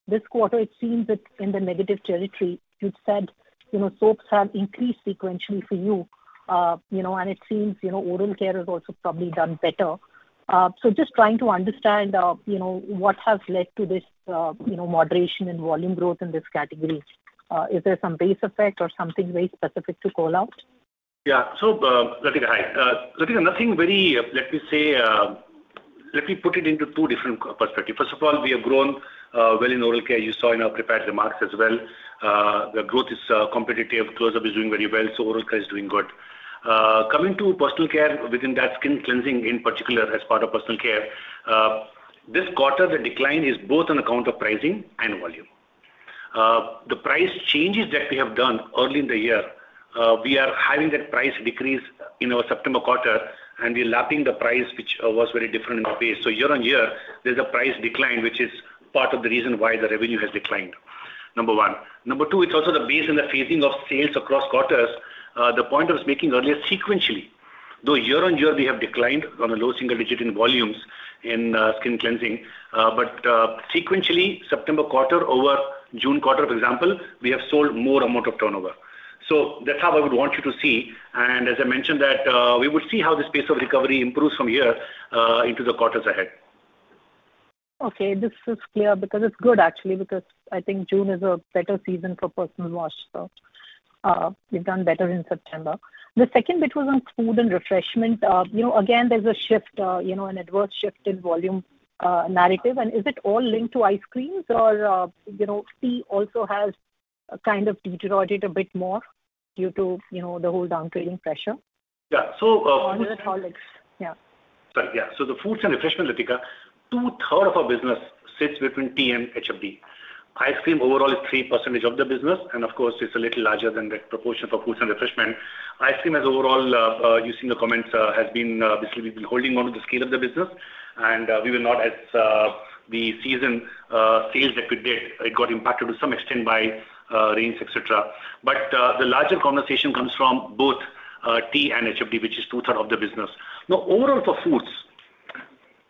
S9: This quarter, it seems it's in the negative territory. You've said, you know, soaps have increased sequentially for you. You know, and it seems, you know, oral care has also probably done better, so just trying to understand, you know, what has led to this, you know, moderation in volume growth in this category. Is there some base effect or something very specific to call out?
S4: Yeah. So, Latika, hi. Latika, nothing very, let me say, let me put it into two different perspective. First of all, we have grown, well in oral care. You saw in our prepared remarks as well. The growth is, competitive. Closeup is doing very well, so oral care is doing good. Coming to personal care, within that skin cleansing, in particular, as part of personal care, this quarter, the decline is both on account of pricing and volume. The price changes that we have done early in the year, we are having that price decrease in our September quarter, and we're lapping the price, which, was very different in the base. So year on year, there's a price decline, which is part of the reason why the revenue has declined. Number one. Number two, it's also the base and the phasing of sales across quarters. The point I was making earlier, sequentially, though year on year, we have declined on a low single digit in volumes in skin cleansing, but sequentially, September quarter over June quarter, for example, we have sold more amount of turnover. So that's how I would want you to see, and as I mentioned that, we would see how the pace of recovery improves from here into the quarters ahead.
S9: Okay, this is clear because it's good actually, because I think June is a better season for personal wash. So, we've done better in September. The second bit was on food and refreshment. You know, again, there's a shift, you know, an adverse shift in volume narrative. And is it all linked to ice creams or, you know, tea also has kind of deteriorated a bit more due to, you know, the whole down trading pressure?
S4: Yeah, so,
S9: Or is it all mix? Yeah.
S4: Sorry, yeah. So the Foods and Refreshment, Latika, two-thirds of our business sits between tea and HFD. Ice cream overall is 3% of the business, and of course, it's a little larger than the proportion for Foods and Refreshment. Ice cream as overall, you've seen the comments, has been basically, we've been holding on to the scale of the business, and we were not as the season sales that we did, it got impacted to some extent by rains, et cetera. But the larger conversation comes from both tea and HFD, which is two-thirds of the business. Now, overall for foods,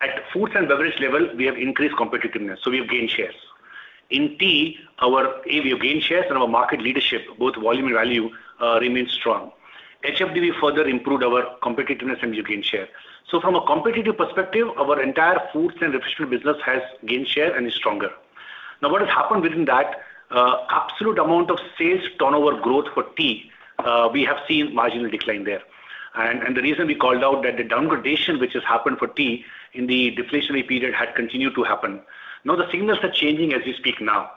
S4: at foods and beverage level, we have increased competitiveness, so we have gained shares. In tea, our we have gained shares and our market leadership, both volume and value, remains strong. F&R, we further improved our competitiveness and we gained share. So from a competitive perspective, our entire foods and refreshment business has gained share and is stronger. Now, what has happened within that, absolute amount of sales turnover growth for tea, we have seen marginal decline there. And the reason we called out that the downgrading which has happened for tea in the deflationary period had continued to happen. Now, the signals are changing as we speak now.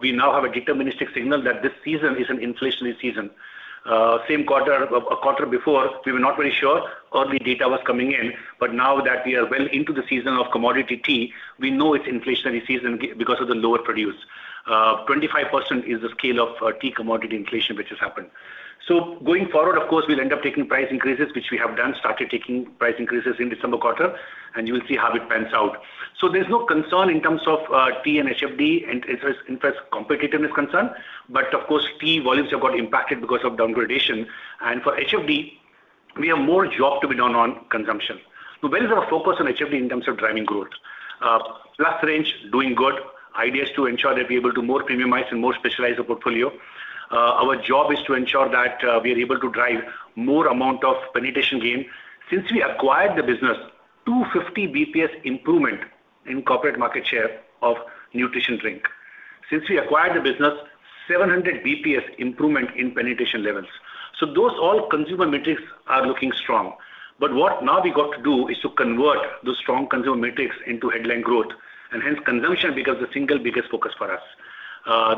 S4: We now have a deterministic signal that this season is an inflationary season. Same quarter, a quarter before, we were not very sure, early data was coming in, but now that we are well into the season of commodity tea, we know it's inflationary season because of the lower production. 25% is the scale of tea commodity inflation, which has happened. Going forward, of course, we'll end up taking price increases, which we have done, started taking price increases in December quarter, and you will see how it pans out. There's no concern in terms of tea and HFD, and as far as competitiveness is concerned, but of course, tea volumes have got impacted because of downgrading. For HFD, we have more job to be done on consumption. Where is our focus on HFD in terms of driving growth? Plus range, doing good. Idea is to ensure that we're able to more premiumize and more specialize our portfolio. Our job is to ensure that we are able to drive more amount of penetration gain. Since we acquired the business, 250 basis points improvement in core market share of nutrition drink. Since we acquired the business, 700 basis points improvement in penetration levels. So those all consumer metrics are looking strong. But what now we got to do is to convert those strong consumer metrics into headline growth, and hence consumption becomes the single biggest focus for us.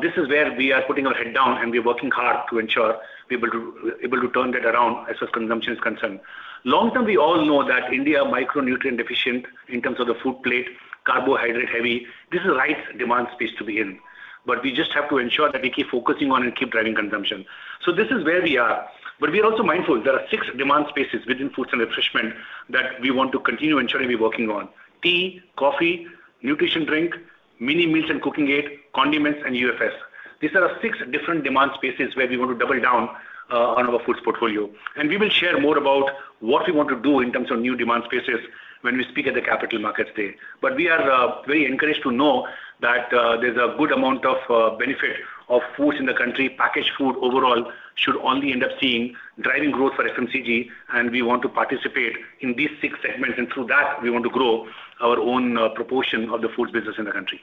S4: This is where we are putting our head down and we are working hard to ensure we're able to turn that around as far as consumption is concerned. Long term, we all know that India are micronutrient deficient in terms of the food plate, carbohydrate heavy. This is the right demand space to be in, but we just have to ensure that we keep focusing on and keep driving consumption. So this is where we are. But we are also mindful there are six demand spaces within foods and refreshment that we want to continue ensuring we're working on: tea, coffee, nutrition drink, mini meals and cooking aid, condiments, and UFS. These are the six different demand spaces where we want to double down, on our foods portfolio. And we will share more about what we want to do in terms of new demand spaces when we speak at the Capital Markets Day. But we are, very encouraged to know that, there's a good amount of, benefit of foods in the country. Packaged food overall should only end up seeing driving growth for FMCG, and we want to participate in these six segments, and through that, we want to grow our own, proportion of the food business in the country.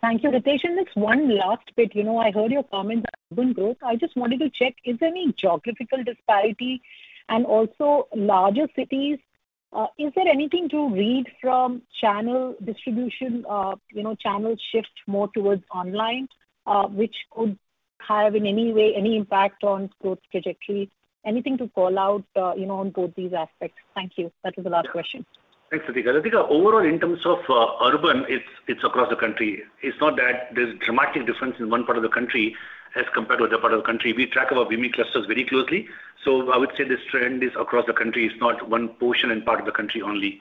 S9: Thank you, Ritesh, and just one last bit. You know, I heard your comment on urban growth. I just wanted to check, is there any geographical disparity and also larger cities, is there anything to read from channel distribution, you know, channel shift more towards online, which could have in any way, any impact on growth trajectory? Anything to call out, you know, on both these aspects? Thank you. That is the last question.
S4: Thanks, Latika. Latika, overall, in terms of urban, it's across the country. It's not that there's dramatic difference in one part of the country as compared to other part of the country. We track our WiMI clusters very closely, so I would say this trend is across the country. It's not one portion and part of the country only.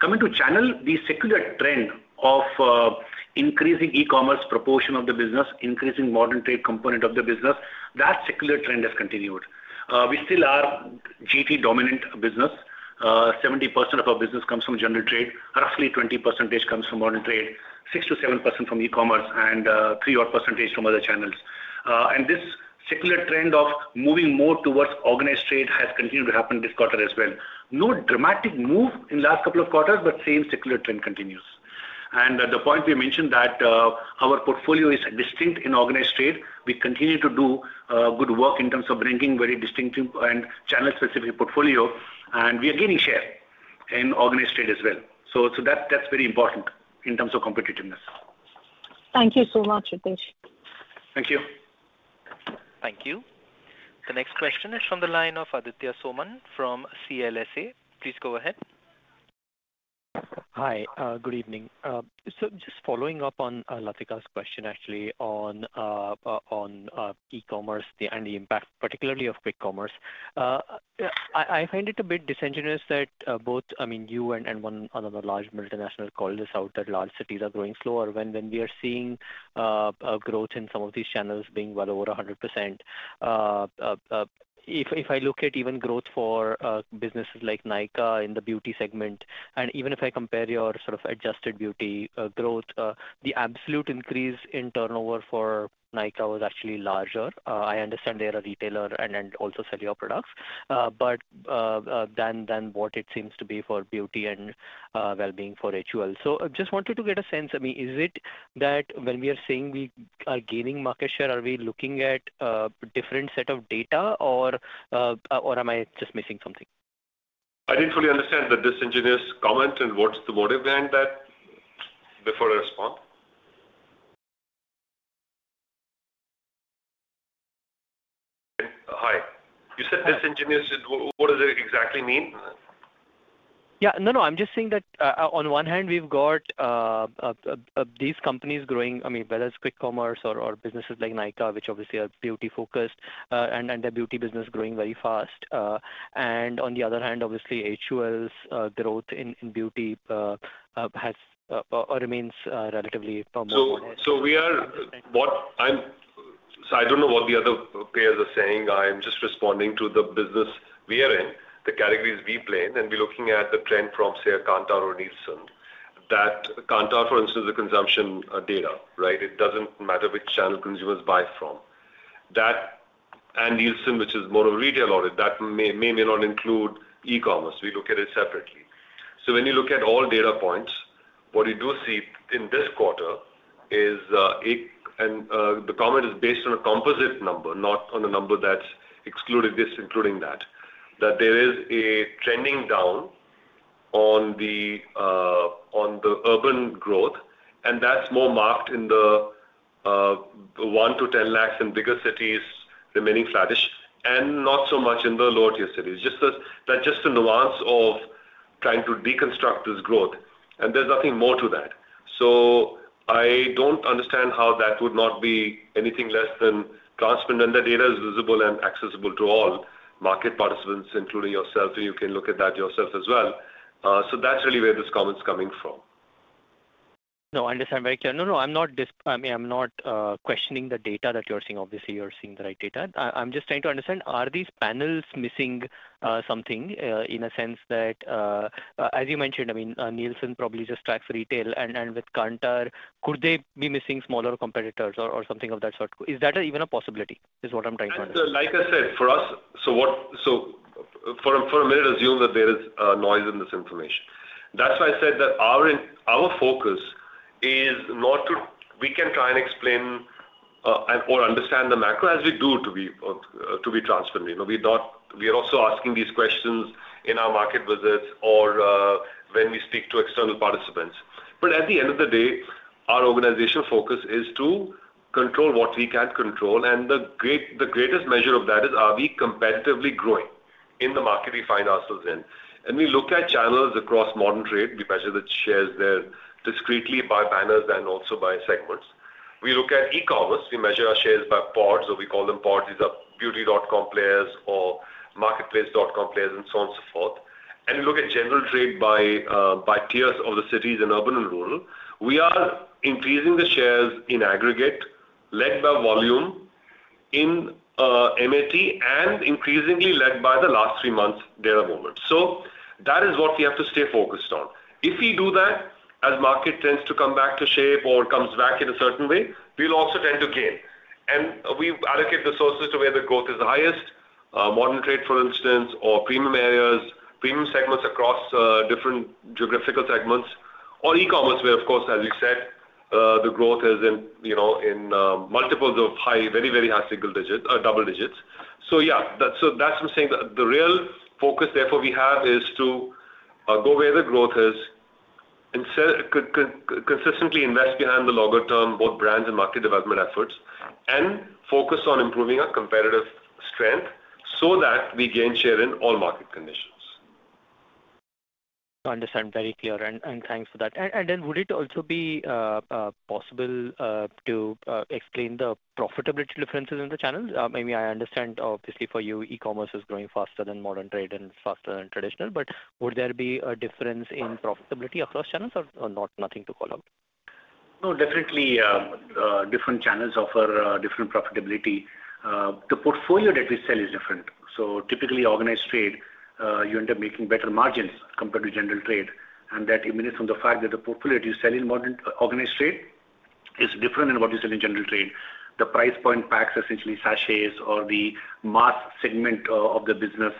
S4: Coming to channel, the secular trend of increasing e-commerce proportion of the business, increasing modern trade component of the business, that secular trend has continued. We still are GT-dominant business. 70% of our business comes from general trade. Roughly 20% comes from modern trade, 6-7% from e-commerce, and three odd percent from other channels. And this secular trend of moving more towards organized trade has continued to happen this quarter as well. No dramatic move in last couple of quarters, but same secular trend continues, and the point we mentioned that, our portfolio is distinct in organized trade. We continue to do good work in terms of bringing very distinctive and channel-specific portfolio, and we are gaining share in organized trade as well, so that's very important in terms of competitiveness.
S9: Thank you so much, Ritesh.
S4: Thank you.
S1: Thank you. The next question is from the line of Aditya Soman from CLSA. Please go ahead.
S10: Hi. Good evening, so just following up on Latika's question, actually, on e-commerce and the impact, particularly of quick commerce. I find it a bit disingenuous that both, I mean, you and one another large multinational called this out, that large cities are growing slower when we are seeing a growth in some of these channels being well over 100%. If I look at even growth for businesses like Nykaa in the beauty segment, and even if I compare your sort of adjusted beauty growth, the absolute increase in turnover for Nykaa was actually larger. I understand they are a retailer and also sell your products, but than what it seems to be for beauty and well-being for HUL. So I just wanted to get a sense, I mean, is it that when we are saying we are gaining market share, are we looking at, different set of data or, or am I just missing something?
S3: I didn't fully understand the disingenuous comment and what's the motive behind that before I respond? Hi. You said disingenuous. What, what does it exactly mean?
S10: Yeah. No, no, I'm just saying that on one hand we've got these companies growing, I mean, whether it's quick commerce or businesses like Nykaa, which obviously are beauty focused, and their beauty business growing very fast. And on the other hand, obviously, HUL's growth in beauty has or remains relatively normal-
S3: So we are.
S10: Understand.
S3: So I don't know what the other players are saying. I'm just responding to the business we are in, the categories we play, and we're looking at the trend from, say, Kantar or Nielsen. That Kantar, for instance, is a consumption data, right? It doesn't matter which channel consumers buy from. That, and Nielsen, which is more of a retail audit, that may not include e-commerce. We look at it separately. So when you look at all data points, what you do see in this quarter is the comment is based on a composite number, not on a number that's excluded this, including that, that there is a trending down on the urban growth, and that's more marked in the one to ten lakhs in bigger cities remaining flattish and not so much in the lower tier cities. Just a nuance of trying to deconstruct this growth, and there's nothing more to that. So I don't understand how that would not be anything less than transparent, and the data is visible and accessible to all market participants, including yourself, so you can look at that yourself as well. That's really where this comment's coming from.
S10: No, I understand very clear. No, no, I'm not dis-- I mean, I'm not questioning the data that you're seeing. Obviously, you're seeing the right data. I'm just trying to understand, are these panels missing something, in a sense that, as you mentioned, I mean, Nielsen probably just tracks retail, and with Kantar, could they be missing smaller competitors or something of that sort? Is that even a possibility, is what I'm trying to understand.
S3: And like I said, for us, so what? So for a minute, assume that there is noise in this information. That's why I said that our internal focus is not to. We can try and explain or understand the macro as we do to be transparent. You know, we don't. We are also asking these questions in our market visits or when we speak to external participants. But at the end of the day, our organizational focus is to control what we can control, and the greatest measure of that is, are we competitively growing in the market we find ourselves in? And we look at channels across modern trade. We measure the shares there discretely by banners and also by segments. We look at e-commerce. We measure our shares by pods, so we call them pods. These are beauty.com players or marketplace.com players and so on and so forth. We look at general trade by, by tiers of the cities in urban and rural. We are increasing the shares in aggregate, led by volume in, MAT, and increasingly led by the last three months data movement. That is what we have to stay focused on. If we do that, as market tends to come back to shape or comes back in a certain way, we'll also tend to gain. We allocate the resources to where the growth is highest, modern trade, for instance, or premium areas, premium segments across, different geographical segments or e-commerce, where of course, as you said, the growth is in, you know, in, multiples of high, very, very high single digit, double digits. Yeah, that's, so that's what I'm saying. The real focus therefore we have is to go where the growth is- ... and so consistently invest behind the longer term, both brands and market development efforts, and focus on improving our competitive strength so that we gain share in all market conditions.
S10: Understand. Very clear, and thanks for that. And then would it also be possible to explain the profitability differences in the channels? Maybe I understand, obviously, for you, e-commerce is growing faster than modern trade and faster than traditional, but would there be a difference in profitability across channels or not, nothing to call out?
S4: No, definitely, different channels offer different profitability. The portfolio that we sell is different. So typically, organized trade, you end up making better margins compared to general trade, and that emanates from the fact that the portfolio that you sell in modern organized trade is different than what you sell in general trade. The price point packs, essentially sachets or the mass segment of the business,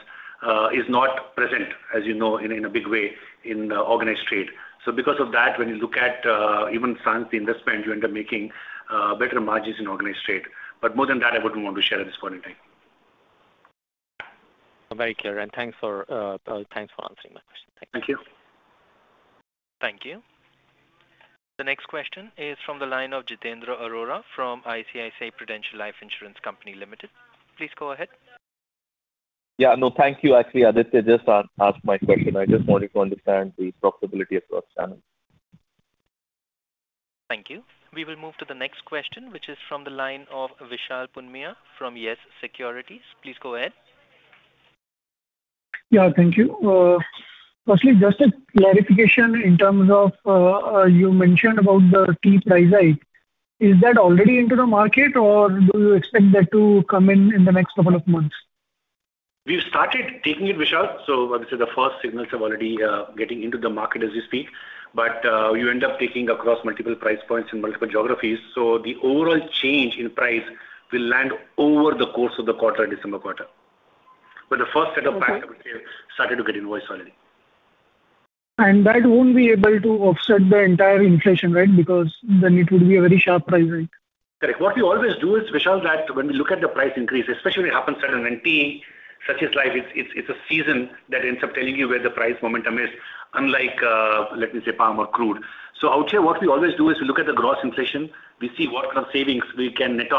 S4: is not present, as you know, in a big way in organized trade. So because of that, when you look at even sales investment, you end up making better margins in organized trade. But more than that, I wouldn't want to share at this point in time.
S10: Very clear, and thanks for answering my question. Thank you.
S4: Thank you.
S1: Thank you. The next question is from the line of Jitendra Arora from ICICI Prudential Life Insurance Company Limited. Please go ahead.
S11: Yeah, no, thank you. Actually, Aditya just asked my question. I just wanted to understand the profitability across channels.
S1: Thank you. We will move to the next question, which is from the line of Vishal Punmia from Yes Securities. Please go ahead.
S12: Yeah, thank you. Firstly, just a clarification in terms of, you mentioned about the key price hike. Is that already into the market, or do you expect that to come in in the next couple of months?
S4: We've started taking it, Vishal, so this is the first signals of already, getting into the market as we speak. But, you end up taking across multiple price points in multiple geographies, so the overall change in price will land over the course of the quarter, December quarter. But the first set of packs have started to get invoiced already.
S12: And that won't be able to offset the entire inflation, right? Because then it would be a very sharp price, right.
S4: Correct. What we always do is, Vishal, that when we look at the price increase, especially when it happens seasonally in tea, such as Lipton, it's a season that ends up telling you where the price momentum is, unlike, let me say, palm or crude. So I would say what we always do is we look at the gross inflation, we see what kind of savings we can net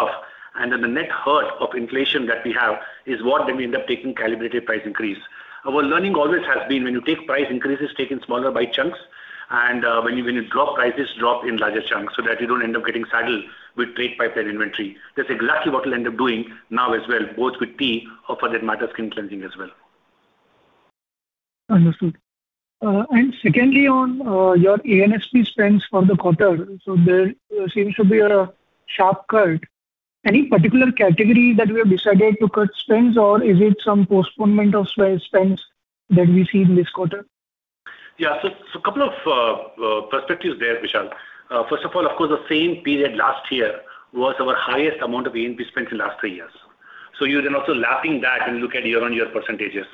S4: off, and then the net impact of inflation that we have is what then we end up taking calibrated price increase. Our learning always has been when you take price increases, take in smaller bite-sized chunks, and when you drop prices, drop in larger chunks, so that you don't end up getting saddled with trade pipeline inventory. That's exactly what we'll end up doing now as well, both with tea or for that matter, skin cleansing as well.
S12: Understood. And secondly, on your A&P spends for the quarter, so there seems to be a sharp cut. Any particular category that we have decided to cut spends, or is it some postponement of spends that we see in this quarter?
S4: Yeah. So a couple of perspectives there, Vishal. First of all, of course, the same period last year was our highest amount of A&P spends in the last three years. So you're then also lapping that and look at year-on-year percentages.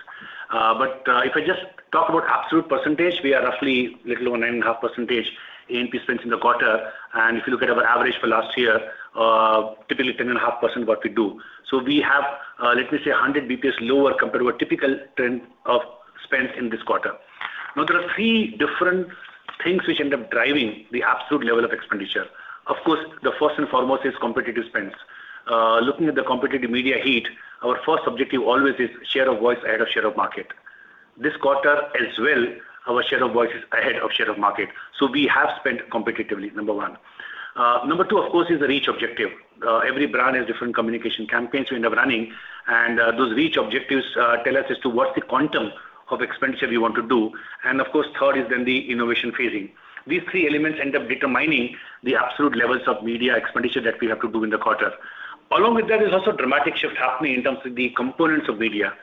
S4: But if I just talk about absolute percentage, we are roughly a little over 9.5% A&P spends in the quarter, and if you look at our average for last year, typically 10.5% what we do. So we have, let me say, 100 basis points lower compared to our typical trend of spend in this quarter. Now, there are three different things which end up driving the absolute level of expenditure. Of course, the first and foremost is competitive spends. Looking at the competitive media heat, our first objective always is share of voice ahead of share of market. This quarter as well, our share of voice is ahead of share of market, so we have spent competitively, number one. Number two, of course, is the reach objective. Every brand has different communication campaigns we end up running, and those reach objectives tell us as to what's the quantum of expenditure we want to do. And of course, third is then the innovation phasing. These three elements end up determining the absolute levels of media expenditure that we have to do in the quarter. Along with that, there's also a dramatic shift happening in terms of the components of media.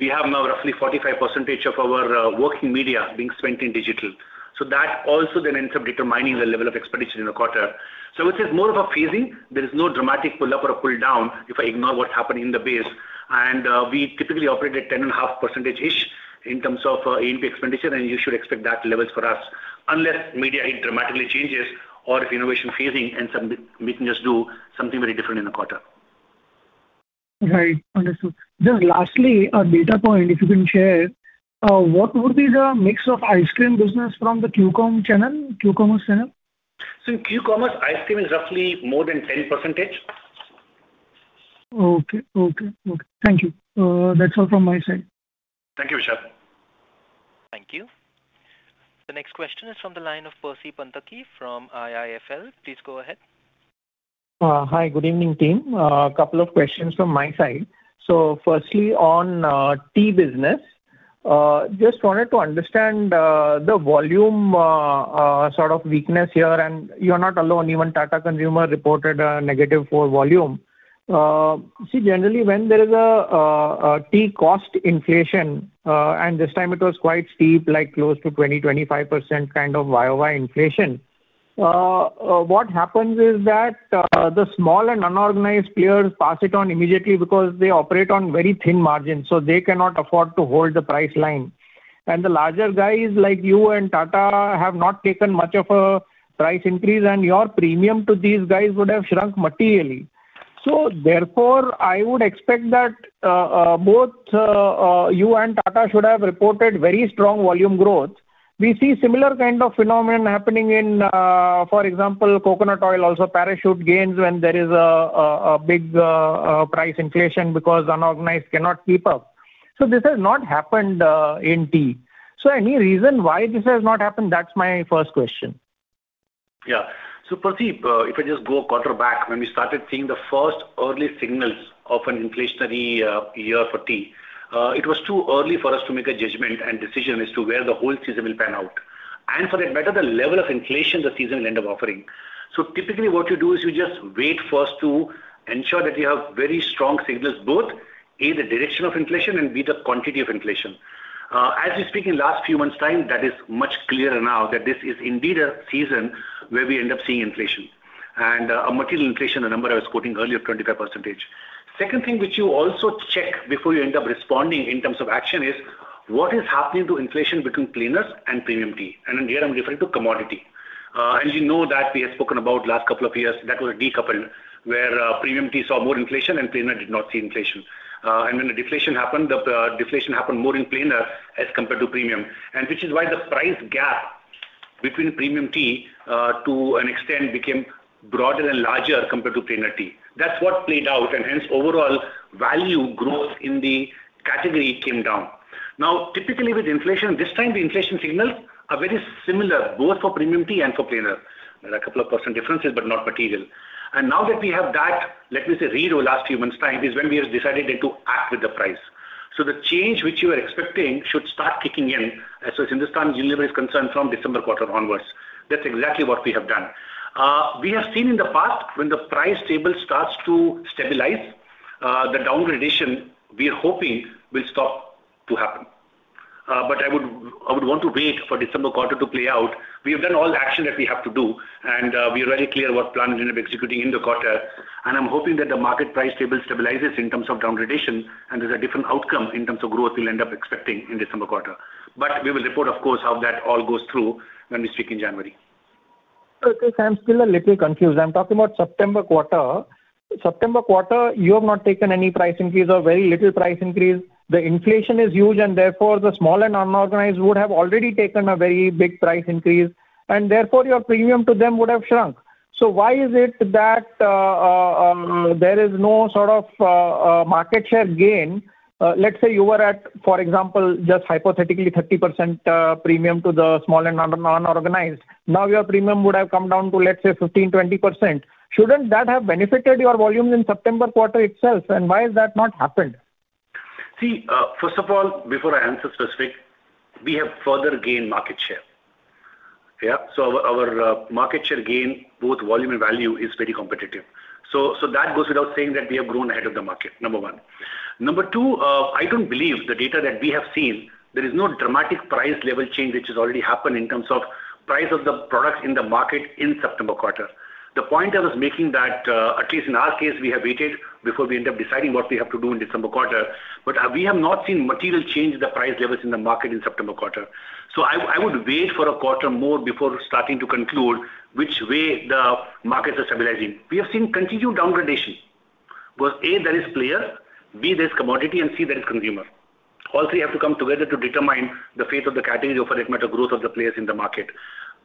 S4: We have now roughly 45% of our working media being spent in digital. So that also then ends up determining the level of expenditure in the quarter. So it is more of a phasing. There is no dramatic pull up or a pull down, if I ignore what happened in the base. And, we typically operate at 10.5%-ish in terms of, A&P expenditure, and you should expect that levels for us, unless media dramatically changes or if innovation phasing and some... we can just do something very different in the quarter.
S12: Right. Understood. Just lastly, a data point, if you can share, what would be the mix of ice cream business from the Q-commerce channel, Q-commerce channel?
S4: So in Q-commerce, ice cream is roughly more than 10%.
S12: Okay. Okay. Thank you. That's all from my side.
S4: Thank you, Vishal.
S1: Thank you. The next question is from the line of Percy Panthaki from IIFL. Please go ahead.
S13: Hi, good evening, team. A couple of questions from my side. So firstly, on tea business, just wanted to understand the volume sort of weakness here, and you're not alone. Even Tata Consumer reported a negative for volume. See, generally, when there is a tea cost inflation, and this time it was quite steep, like close to 20-25% kind of YOY inflation, what happens is that the small and unorganized players pass it on immediately because they operate on very thin margins, so they cannot afford to hold the price line. And the larger guys, like you and Tata, have not taken much of a price increase, and your premium to these guys would have shrunk materially. So therefore, I would expect that both you and Tata should have reported very strong volume growth. We see similar kind of phenomenon happening in, for example, coconut oil, also Parachute gains when there is a big price inflation because unorganized cannot keep up. So this has not happened in tea. So any reason why this has not happened? That's my first question.
S4: Yeah. So, Percy, if I just go a quarter back, when we started seeing the first early signals of an inflationary year for tea, it was too early for us to make a judgment and decision as to where the whole season will pan out, and for that matter, the level of inflation the season will end up offering. So typically, what you do is you just wait first to ensure that you have very strong signals, both A, the direction of inflation, and B, the quantity of inflation. As we speak, in last few months' time, that is much clearer now that this is indeed a season where we end up seeing inflation, and a material inflation, the number I was quoting earlier, 25%. Second thing which you also check before you end up responding in terms of action is: What is happening to inflation between plain tea and premium tea? And here I'm referring to commodity. As you know, that we have spoken about last couple of years, that was a decoupling, where premium tea saw more inflation and plain tea did not see inflation. And when the deflation happened, the deflation happened more in plain tea as compared to premium, and which is why the price gap between premium tea to an extent became broader and larger compared to plain tea. That's what played out, and hence overall value growth in the category came down. Now, typically, with inflation, this time the inflation signals are very similar, both for premium tea and for plain tea. There are a couple of % differences, but not material. Now that we have that, let me say, rather over the last few months' time, is when we have decided to act on the price. The change which you are expecting should start kicking in, as far as Hindustan Unilever is concerned, from December quarter onwards. That's exactly what we have done. We have seen in the past, when the price level starts to stabilize, the downgrading we are hoping will stop happening. But I would want to wait for December quarter to play out. We have done all the action that we have to do, and we are very clear what plan we end up executing in the quarter. I'm hoping that the market price level stabilizes in terms of downgrading, and there's a different outcome in terms of growth we'll end up expecting in December quarter. But we will report, of course, how that all goes through when we speak in January.
S13: Okay, I'm still a little confused. I'm talking about September quarter. September quarter, you have not taken any price increase or very little price increase. The inflation is huge, and therefore, the small and unorganized would have already taken a very big price increase, and therefore, your premium to them would have shrunk. So why is it that there is no sort of market share gain? Let's say you were at, for example, just hypothetically, 30% premium to the small and unorganized. Now, your premium would have come down to, let's say, 15-20%. Shouldn't that have benefited your volume in September quarter itself, and why has that not happened?
S4: See, first of all, before I answer specific, we have further gained market share. Yeah, so our market share gain, both volume and value, is very competitive. So that goes without saying that we have grown ahead of the market, number one. Number two, I don't believe the data that we have seen. There is no dramatic price level change, which has already happened in terms of price of the product in the market in September quarter. The point I was making that, at least in our case, we have waited before we end up deciding what we have to do in December quarter, but we have not seen material change the price levels in the market in September quarter. So I would wait for a quarter more before starting to conclude which way the markets are stabilizing. We have seen continued downgrading, where A, there is player, B, there's commodity, and C, there is consumer. All three have to come together to determine the fate of the category or, for that matter, growth of the players in the market.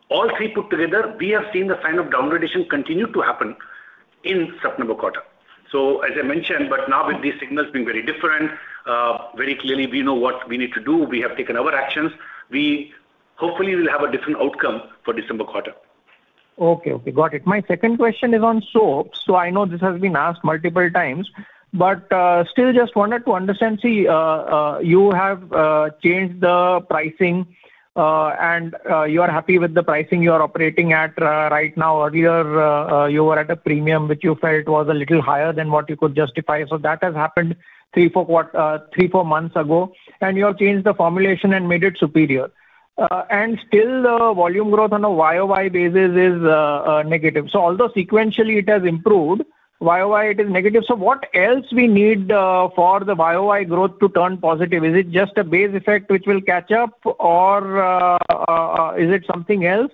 S4: All three put together, we have seen the sign of downgrading continue to happen in September quarter. So as I mentioned, but now with these signals being very different, very clearly, we know what we need to do. We have taken our actions. We hopefully will have a different outcome for December quarter.
S13: Okay, okay, got it. My second question is on soap. So I know this has been asked multiple times, but still just wanted to understand. See, you have changed the pricing, and you are happy with the pricing you are operating at right now. Earlier, you were at a premium, which you felt was a little higher than what you could justify. So that has happened three or four months ago, and you have changed the formulation and made it superior. And still, the volume growth on a YOY basis is negative. So although sequentially it has improved, YOY, it is negative. So what else we need for the YOY growth to turn positive? Is it just a base effect which will catch up, or is it something else?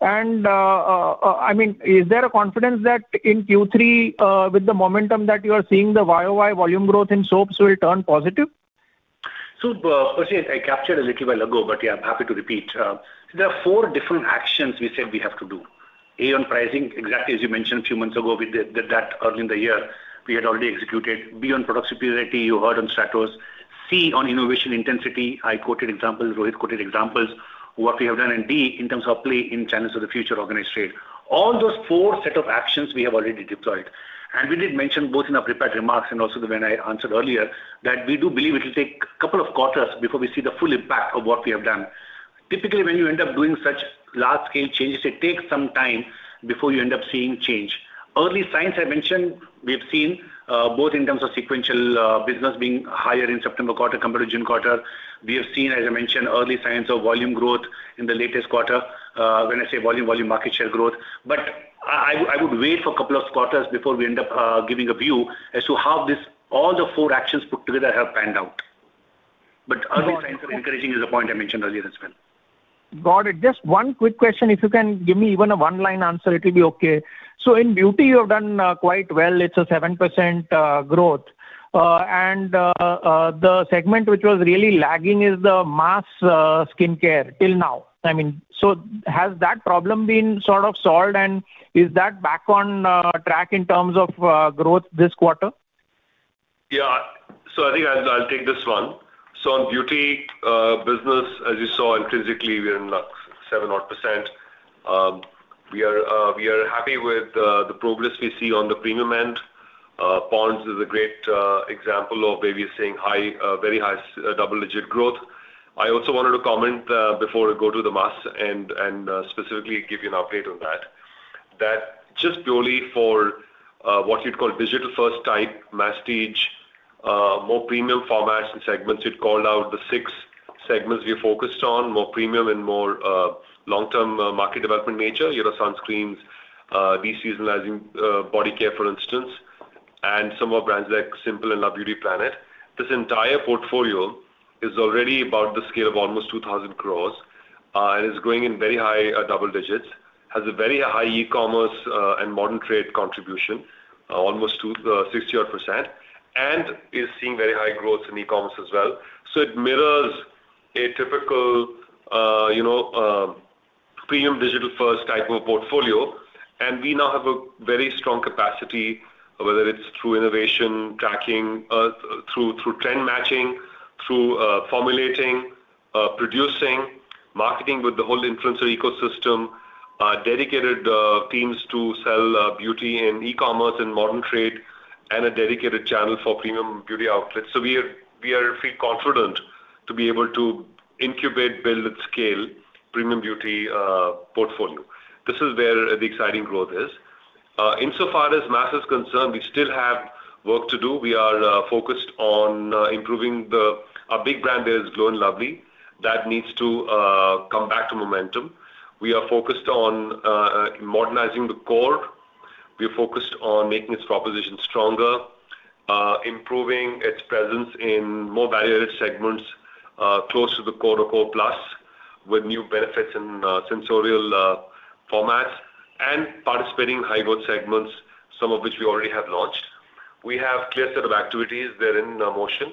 S13: And I mean, is there a confidence that in Q3, with the momentum that you are seeing, the YOY volume growth in soaps will turn positive?
S4: So, Percy, I captured a little while ago, but yeah, I'm happy to repeat. There are four different actions we said we have to do. A, on pricing, exactly as you mentioned a few months ago, we did that early in the year. We had already executed. B, on product superiority, you heard on Stratis. C, on innovation intensity, I quoted examples, Rohit quoted examples, what we have done. And D, in terms of play in channels of the future organized trade. All those four set of actions we have already deployed, and we did mention both in our prepared remarks and also when I answered earlier, that we do believe it will take couple of quarters before we see the full impact of what we have done. Typically, when you end up doing such large-scale changes, it takes some time before you end up seeing change. Early signs I mentioned, we have seen both in terms of sequential business being higher in September quarter compared to June quarter. We have seen, as I mentioned, early signs of volume growth in the latest quarter. When I say volume, market share growth. But I would wait for a couple of quarters before we end up giving a view as to how this, all the four actions put together, have panned out. But early signs are encouraging is the point I mentioned earlier as well.
S13: Got it. Just one quick question, if you can give me even a one-line answer, it will be okay. So in beauty, you have done quite well. It's a 7% growth. And the segment which was really lagging is the mass skincare till now. I mean, so has that problem been sort of solved, and is that back on track in terms of growth this quarter?
S3: Yeah. So I think I'll take this one. So on beauty business, as you saw intrinsically, we're in, like, seven odd %. We are happy with the progress we see on the premium end. Pond's is a great example of where we are seeing high, very high double-digit growth. I also wanted to comment before I go to the mass and and specifically give you an update on that, that just purely for what you'd call digital-first type masstige, more premium formats and segments, you'd call out the six segments we are focused on, more premium and more long-term market development nature, you know, sunscreens, de-seasonalizing, body care, for instance, and some more brands like Simple and Love Beauty and Planet. This entire portfolio is already about the scale of almost 2,000 crores, and is growing in very high double digits, has a very high e-commerce and modern trade contribution, almost 26-odd%, and is seeing very high growth in e-commerce as well. It mirrors a typical, you know, premium digital-first type of portfolio, and we now have a very strong capacity, whether it's through innovation, tracking, through trend matching, through formulating, producing, marketing with the whole influencer ecosystem, dedicated teams to sell beauty in e-commerce and modern trade, and a dedicated channel for premium beauty outlets. We feel confident to be able to incubate, build, and scale premium beauty portfolio. This is where the exciting growth is. Insofar as mass is concerned, we still have work to do. We are focused on improving. Our big brand is Glow and Lovely. That needs to come back to momentum. We are focused on modernizing the core. We are focused on making its proposition stronger, improving its presence in more value-added segments, close to the core to core plus, with new benefits and sensorial formats, and participating in high growth segments, some of which we already have launched. We have clear set of activities, they're in motion.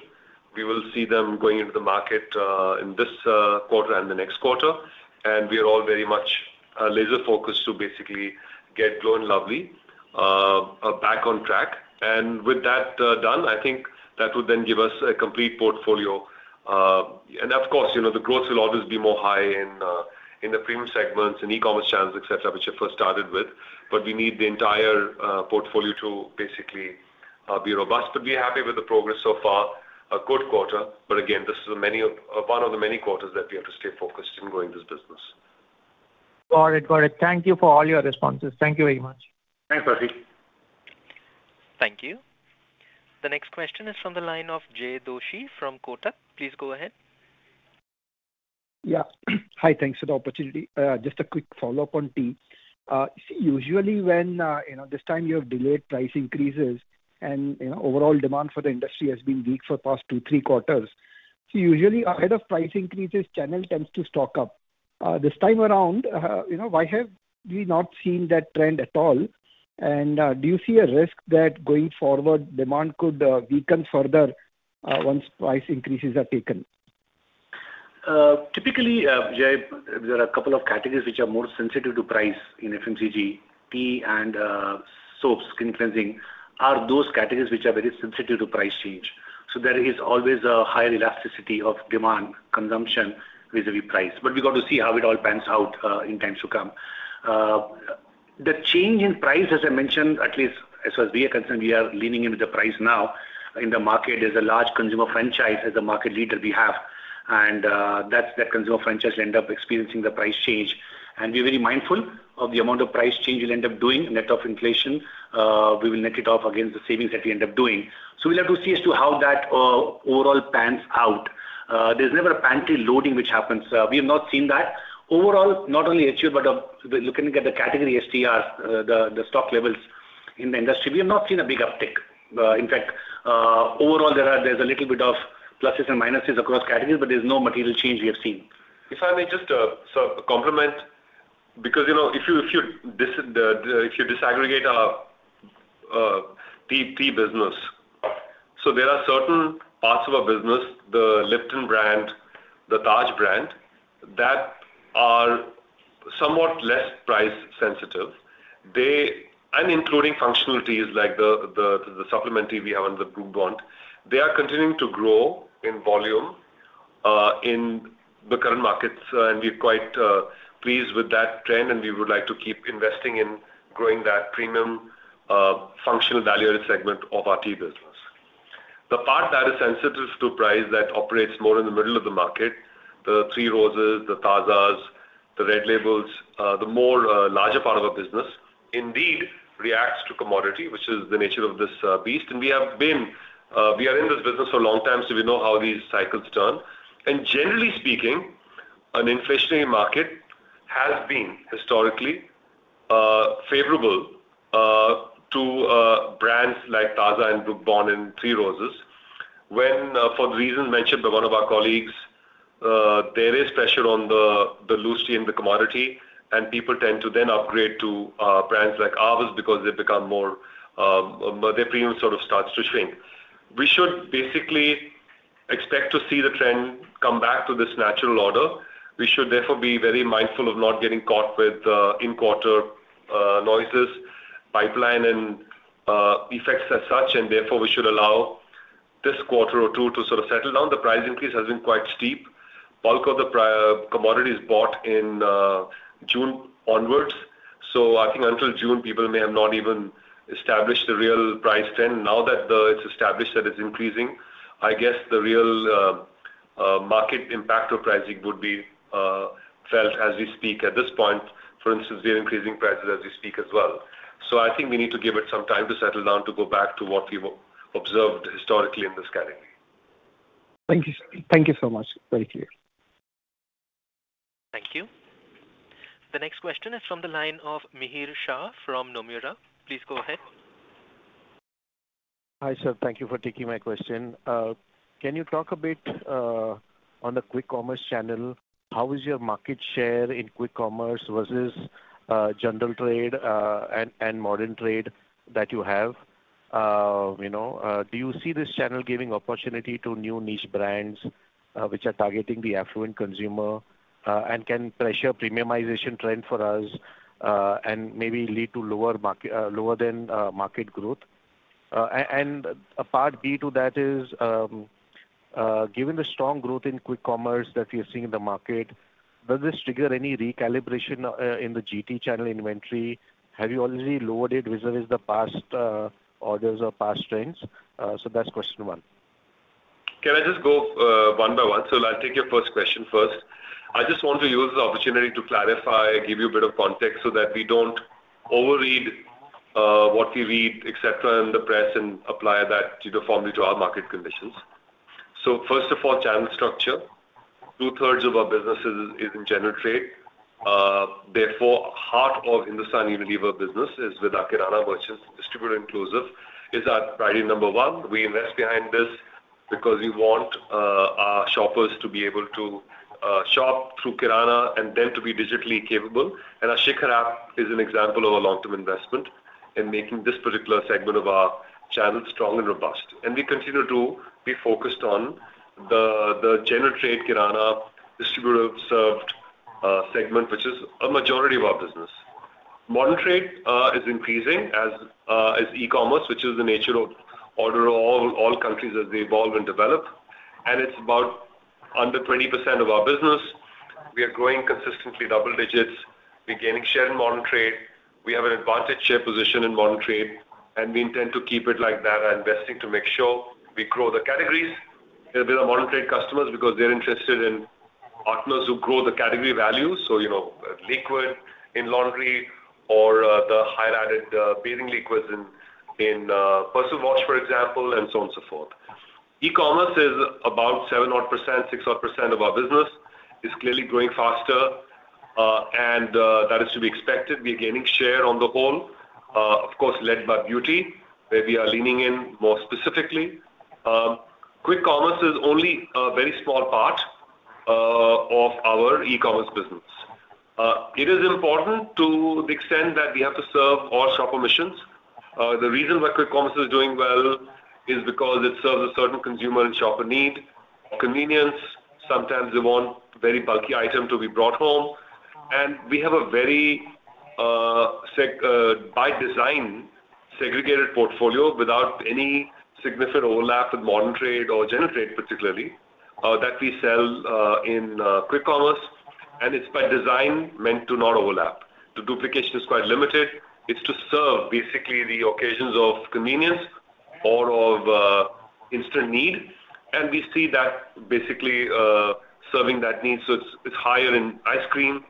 S3: We will see them going into the market in this quarter and the next quarter, and we are all very much laser-focused to basically get Glow and Lovely back on track. And with that done, I think that would then give us a complete portfolio. And of course, you know, the growth will always be more high in, in the premium segments, in e-commerce channels, et cetera, which I first started with, but we need the entire portfolio to basically be robust. But we're happy with the progress so far. A good quarter, but again, this is one of the many quarters that we have to stay focused in growing this business.
S13: Got it. Got it. Thank you for all your responses. Thank you very much.
S3: Thanks, Percy.
S1: Thank you. The next question is from the line of Jay Doshi from Kotak. Please go ahead.
S14: Yeah. Hi, thanks for the opportunity. Just a quick follow-up on tea. Usually when, you know, this time you have delayed price increases and, you know, overall demand for the industry has been weak for the past two, three quarters, so usually ahead of price increases, channel tends to stock up. This time around, you know, why have we not seen that trend at all? And, do you see a risk that going forward, demand could weaken further, once price increases are taken?
S4: Typically, Jay, there are a couple of categories which are more sensitive to price in FMCG. Tea and soaps, skin cleansing, are those categories which are very sensitive to price change. So there is always a higher elasticity of demand, consumption vis-a-vis price. But we got to see how it all pans out in times to come. The change in price, as I mentioned, at least as, as we are concerned, we are leaning in with the price now. In the market, there's a large consumer franchise as a market leader we have, and that's, that consumer franchise will end up experiencing the price change. And we're very mindful of the amount of price change we'll end up doing, net of inflation. We will net it off against the savings that we end up doing. So we'll have to see as to how that overall pans out. There's never a pantry loading which happens. We have not seen that. Overall, not only HUL, but looking at the category STRs, the stock levels in the industry, we have not seen a big uptick. In fact, overall, there's a little bit of pluses and minuses across categories, but there's no material change we have seen.
S3: If I may just, sort of comment, because, you know, if you disaggregate our tea business, so there are certain parts of our business, the Lipton brand, the Taj brand, that are somewhat less price sensitive. They. I'm including functional teas like the supplement tea we have on the Brooke Bond. They are continuing to grow in volume in the current markets, and we're quite pleased with that trend, and we would like to keep investing in growing that premium functional value-added segment of our tea business. The part that is sensitive to price, that operates more in the middle of the market, the 3 Roses, the Taaza, the Red Label, the more larger part of our business, indeed, reacts to commodity, which is the nature of this beast. We have been, we are in this business for a long time, so we know how these cycles turn. Generally speaking, an inflationary market has been historically favorable to brands like Taaza and Brooke Bond and 3 Roses. When, for the reasons mentioned by one of our colleagues, there is pressure on the loose tea and the commodity, and people tend to then upgrade to brands like ours because they become more, their premium sort of starts to shrink. We should basically expect to see the trend come back to this natural order. We should therefore be very mindful of not getting caught with in-quarter noises, pipeline and effects as such, and therefore we should allow this quarter or two to sort of settle down. The price increase has been quite steep. Bulk of the commodity is bought in June onwards, so I think until June, people may have not even established the real price trend. Now that it's established that it's increasing, I guess the real market impact of pricing would be felt as we speak. At this point, for instance, we are increasing prices as we speak as well. So I think we need to give it some time to settle down, to go back to what we've observed historically in this category.
S14: Thank you. Thank you so much. Very clear.
S1: Thank you. The next question is from the line of Mihir Shah from Nomura. Please go ahead.
S15: Hi, sir. Thank you for taking my question. Can you talk a bit on the quick commerce channel? How is your market share in quick commerce versus general trade, and modern trade that you have? You know, do you see this channel giving opportunity to new niche brands, which are targeting the affluent consumer, and can pressure premiumization trend for us, and maybe lead to lower market, lower than market growth? And a part B to that is, given the strong growth in quick commerce that you're seeing in the market, does this trigger any recalibration in the GT channel inventory? Have you already lowered it versus the past orders or past trends? So that's question one.
S3: Can I just go one by one? So I'll take your first question first. I just want to use the opportunity to clarify, give you a bit of context so that we don't overread what we read, et cetera, in the press, and apply that uniformly to our market conditions. So first of all, channel structure. Two-thirds of our business is in general trade. Therefore, heart of Hindustan Unilever business is with our kirana merchants, distributor inclusive, is our priority number one. We invest behind this because we want our shoppers to be able to shop through kirana and them to be digitally capable. And our Shikhar app is an example of a long-term investment in making this particular segment of our channel strong and robust. We continue to be focused on the general trade kirana distributor-served segment, which is a majority of our business. Modern trade is increasing as e-commerce, which is the nature of order of all countries as they evolve and develop, and it's about under 20% of our business. We are growing consistently double digits. We're gaining share in modern trade. We have an advantaged share position in modern trade, and we intend to keep it like that and investing to make sure we grow the categories with our modern trade customers, because they're interested in partners who grow the category value. You know, liquid in laundry or the higher added bathing liquids in personal wash, for example, and so on, so forth. E-commerce is about seven-odd%, six-odd% of our business. It's clearly growing faster, and that is to be expected. We are gaining share on the whole, of course, led by beauty, where we are leaning in more specifically. Quick commerce is only a very small part of our e-commerce business. It is important to the extent that we have to serve all shopper missions. The reason why quick commerce is doing well is because it serves a certain consumer and shopper need, convenience. Sometimes they want very bulky item to be brought home, and we have a very, by design, segregated portfolio without any significant overlap in modern trade or general trade, particularly, that we sell in quick commerce, and it's by design meant to not overlap. The duplication is quite limited. It's to serve basically the occasions of convenience or of instant need, and we see that basically serving that need. So it's higher in ice cream,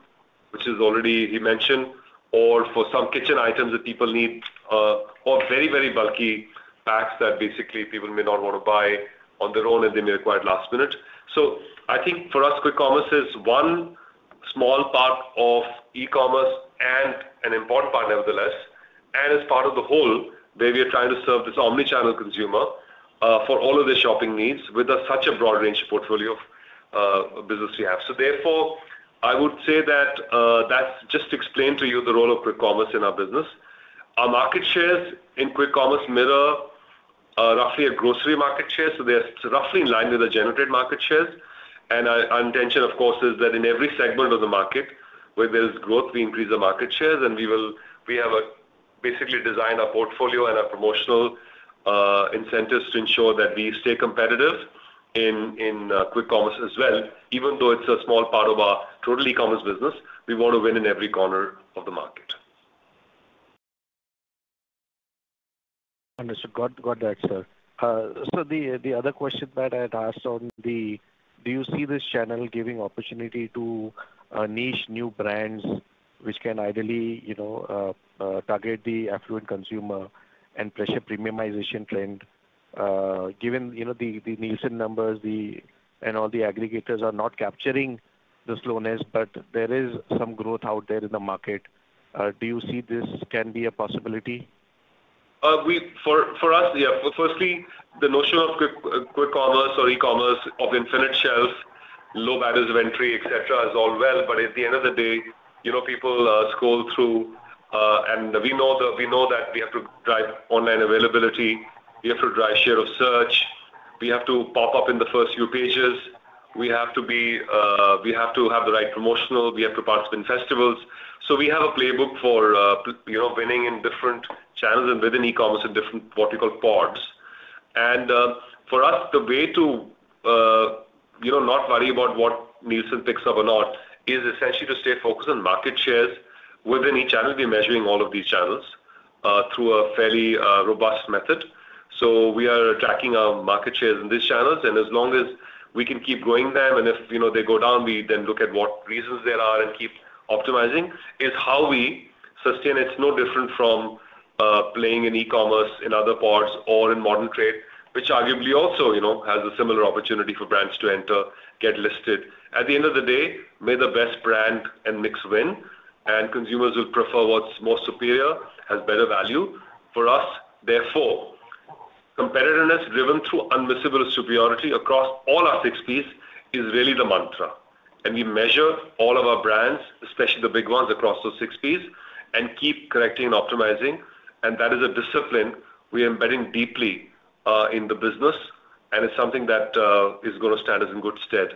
S3: which you already mentioned, or for some kitchen items that people need, or very, very bulky packs that basically people may not want to buy on their own, and they may require it last minute. So I think for us, quick commerce is one small part of e-commerce and an important part nevertheless, and as part of the whole, where we are trying to serve this omni-channel consumer for all of their shopping needs with such a broad range of portfolio of business we have. So therefore, I would say that that's just explained to you the role of quick commerce in our business. Our market shares in quick commerce mirror roughly a grocery market share, so they're roughly in line with the general trade market shares. And our intention, of course, is that in every segment of the market where there's growth, we increase the market shares, and we have basically designed our portfolio and our promotional incentives to ensure that we stay competitive in in quick commerce as well. Even though it's a small part of our total e-commerce business, we want to win in every corner of the market.
S15: Understood. Got that, sir. So the other question that I'd asked on the... Do you see this channel giving opportunity to niche new brands which can ideally, you know, target the affluent consumer and push the premiumization trend? Given, you know, the Nielsen numbers, and all the aggregators are not capturing the slowness, but there is some growth out there in the market. Do you see this can be a possibility?
S3: For us, yeah. Firstly, the notion of quick commerce or e-commerce of infinite shelf, low barriers of entry, et cetera, is all well, but at the end of the day, you know, people scroll through, and we know that we have to drive online availability, we have to drive share of search, we have to pop up in the first few pages. We have to be, we have to have the right promotional, we have to participate in festivals. So we have a playbook for, you know, winning in different channels and within e-commerce, in different what you call pods. And, for us, the way to, you know, not worry about what Nielsen picks up or not, is essentially to stay focused on market shares. Within each channel, we are measuring all of these channels through a fairly robust method. So we are tracking our market shares in these channels, and as long as we can keep growing them, and if, you know, they go down, we then look at what reasons there are and keep optimizing, is how we sustain. It's no different from playing in e-commerce in other parts or in modern trade, which arguably also, you know, has a similar opportunity for brands to enter, get listed. At the end of the day, may the best brand and mix win, and consumers will prefer what's more superior, has better value. For us, therefore, competitiveness driven through unmissable superiority across all our six Ps is really the mantra. And we measure all of our brands, especially the big ones, across those six Ps, and keep correcting and optimizing. And that is a discipline we are embedding deeply in the business, and it's something that is going to stand us in good stead,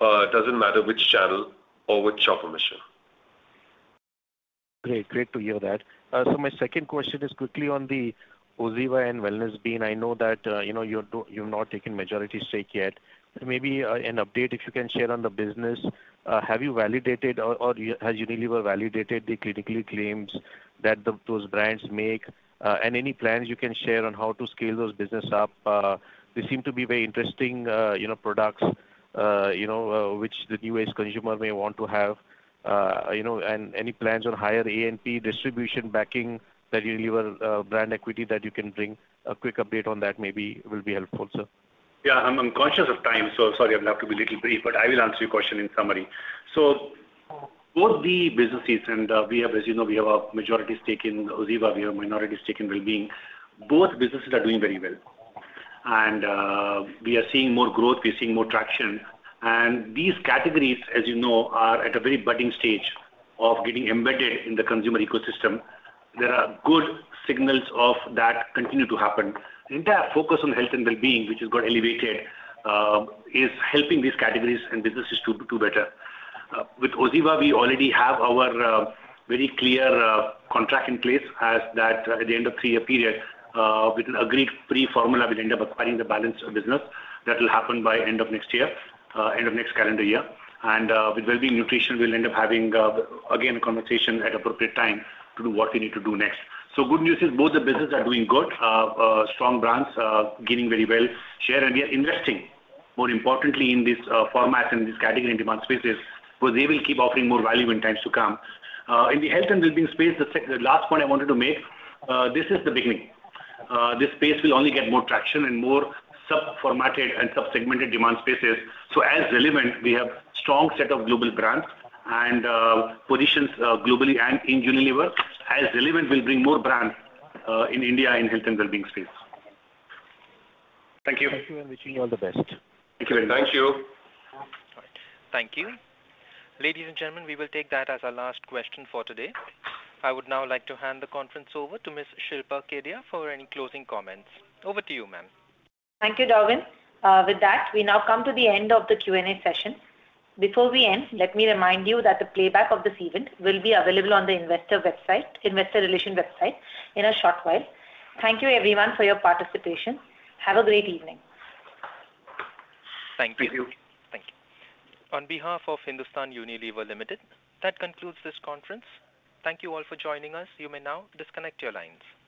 S3: doesn't matter which channel or which shopper mission.
S15: Great. Great to hear that. So my second question is quickly on the Oziva and Wellbeing Nutrition. I know that, you know, you're... You've not taken majority stake yet. Maybe, an update, if you can share on the business. Have you validated or, or has Unilever validated the efficacy claims that those brands make? And any plans you can share on how to scale those businesses up? They seem to be very interesting, you know, products, you know, which the US consumer may want to have. You know, and any plans on higher A&P distribution backing that Unilever brand equity, that you can bring? A quick update on that maybe will be helpful, sir.
S4: Yeah, I'm conscious of time, so sorry, I'll have to be a little brief, but I will answer your question in summary. So both the businesses and we have, as you know, we have a majority stake in Oziva, we have a minority stake in Wellbeing. Both businesses are doing very well. And we are seeing more growth, we are seeing more traction. And these categories, as you know, are at a very budding stage of getting embedded in the consumer ecosystem. There are good signals of that continue to happen. The entire focus on health and wellbeing, which has got elevated, is helping these categories and businesses to do better. With Oziva, we already have our very clear contract in place such that at the end of three-year period, with an agreed pre-agreed formula, we'll end up acquiring the balance of business. That will happen by end of next year, end of next calendar year. And, with Wellbeing Nutrition, we'll end up having, again, conversation at appropriate time to do what we need to do next. So good news is both the businesses are doing good. Strong brands, gaining very well, share, and we are investing more importantly in this, format and this category demand spaces, where they will keep offering more value in times to come. In the health and wellbeing space, the last point I wanted to make, this is the beginning. This space will only get more traction and more sub-formatted and sub-segmented demand spaces. So as relevant, we have strong set of global brands and, positions, globally and in Unilever, as relevant, will bring more brands, in India, in health and wellbeing space.
S15: Thank you, and wishing you all the best.
S4: Thank you.
S3: Thank you.
S1: Thank you. Ladies and gentlemen, we will take that as our last question for today. I would now like to hand the conference over to Miss Shilpa Kedia for any closing comments. Over to you, ma'am.
S2: Thank you, Darwin. With that, we now come to the end of the Q&A session. Before we end, let me remind you that the playback of this event will be available on the investor website, investor relation website in a short while. Thank you everyone for your participation. Have a great evening.
S4: Thank you.
S3: Thank you.
S1: Thank you. On behalf of Hindustan Unilever Limited, that concludes this conference. Thank you all for joining us. You may now disconnect your lines.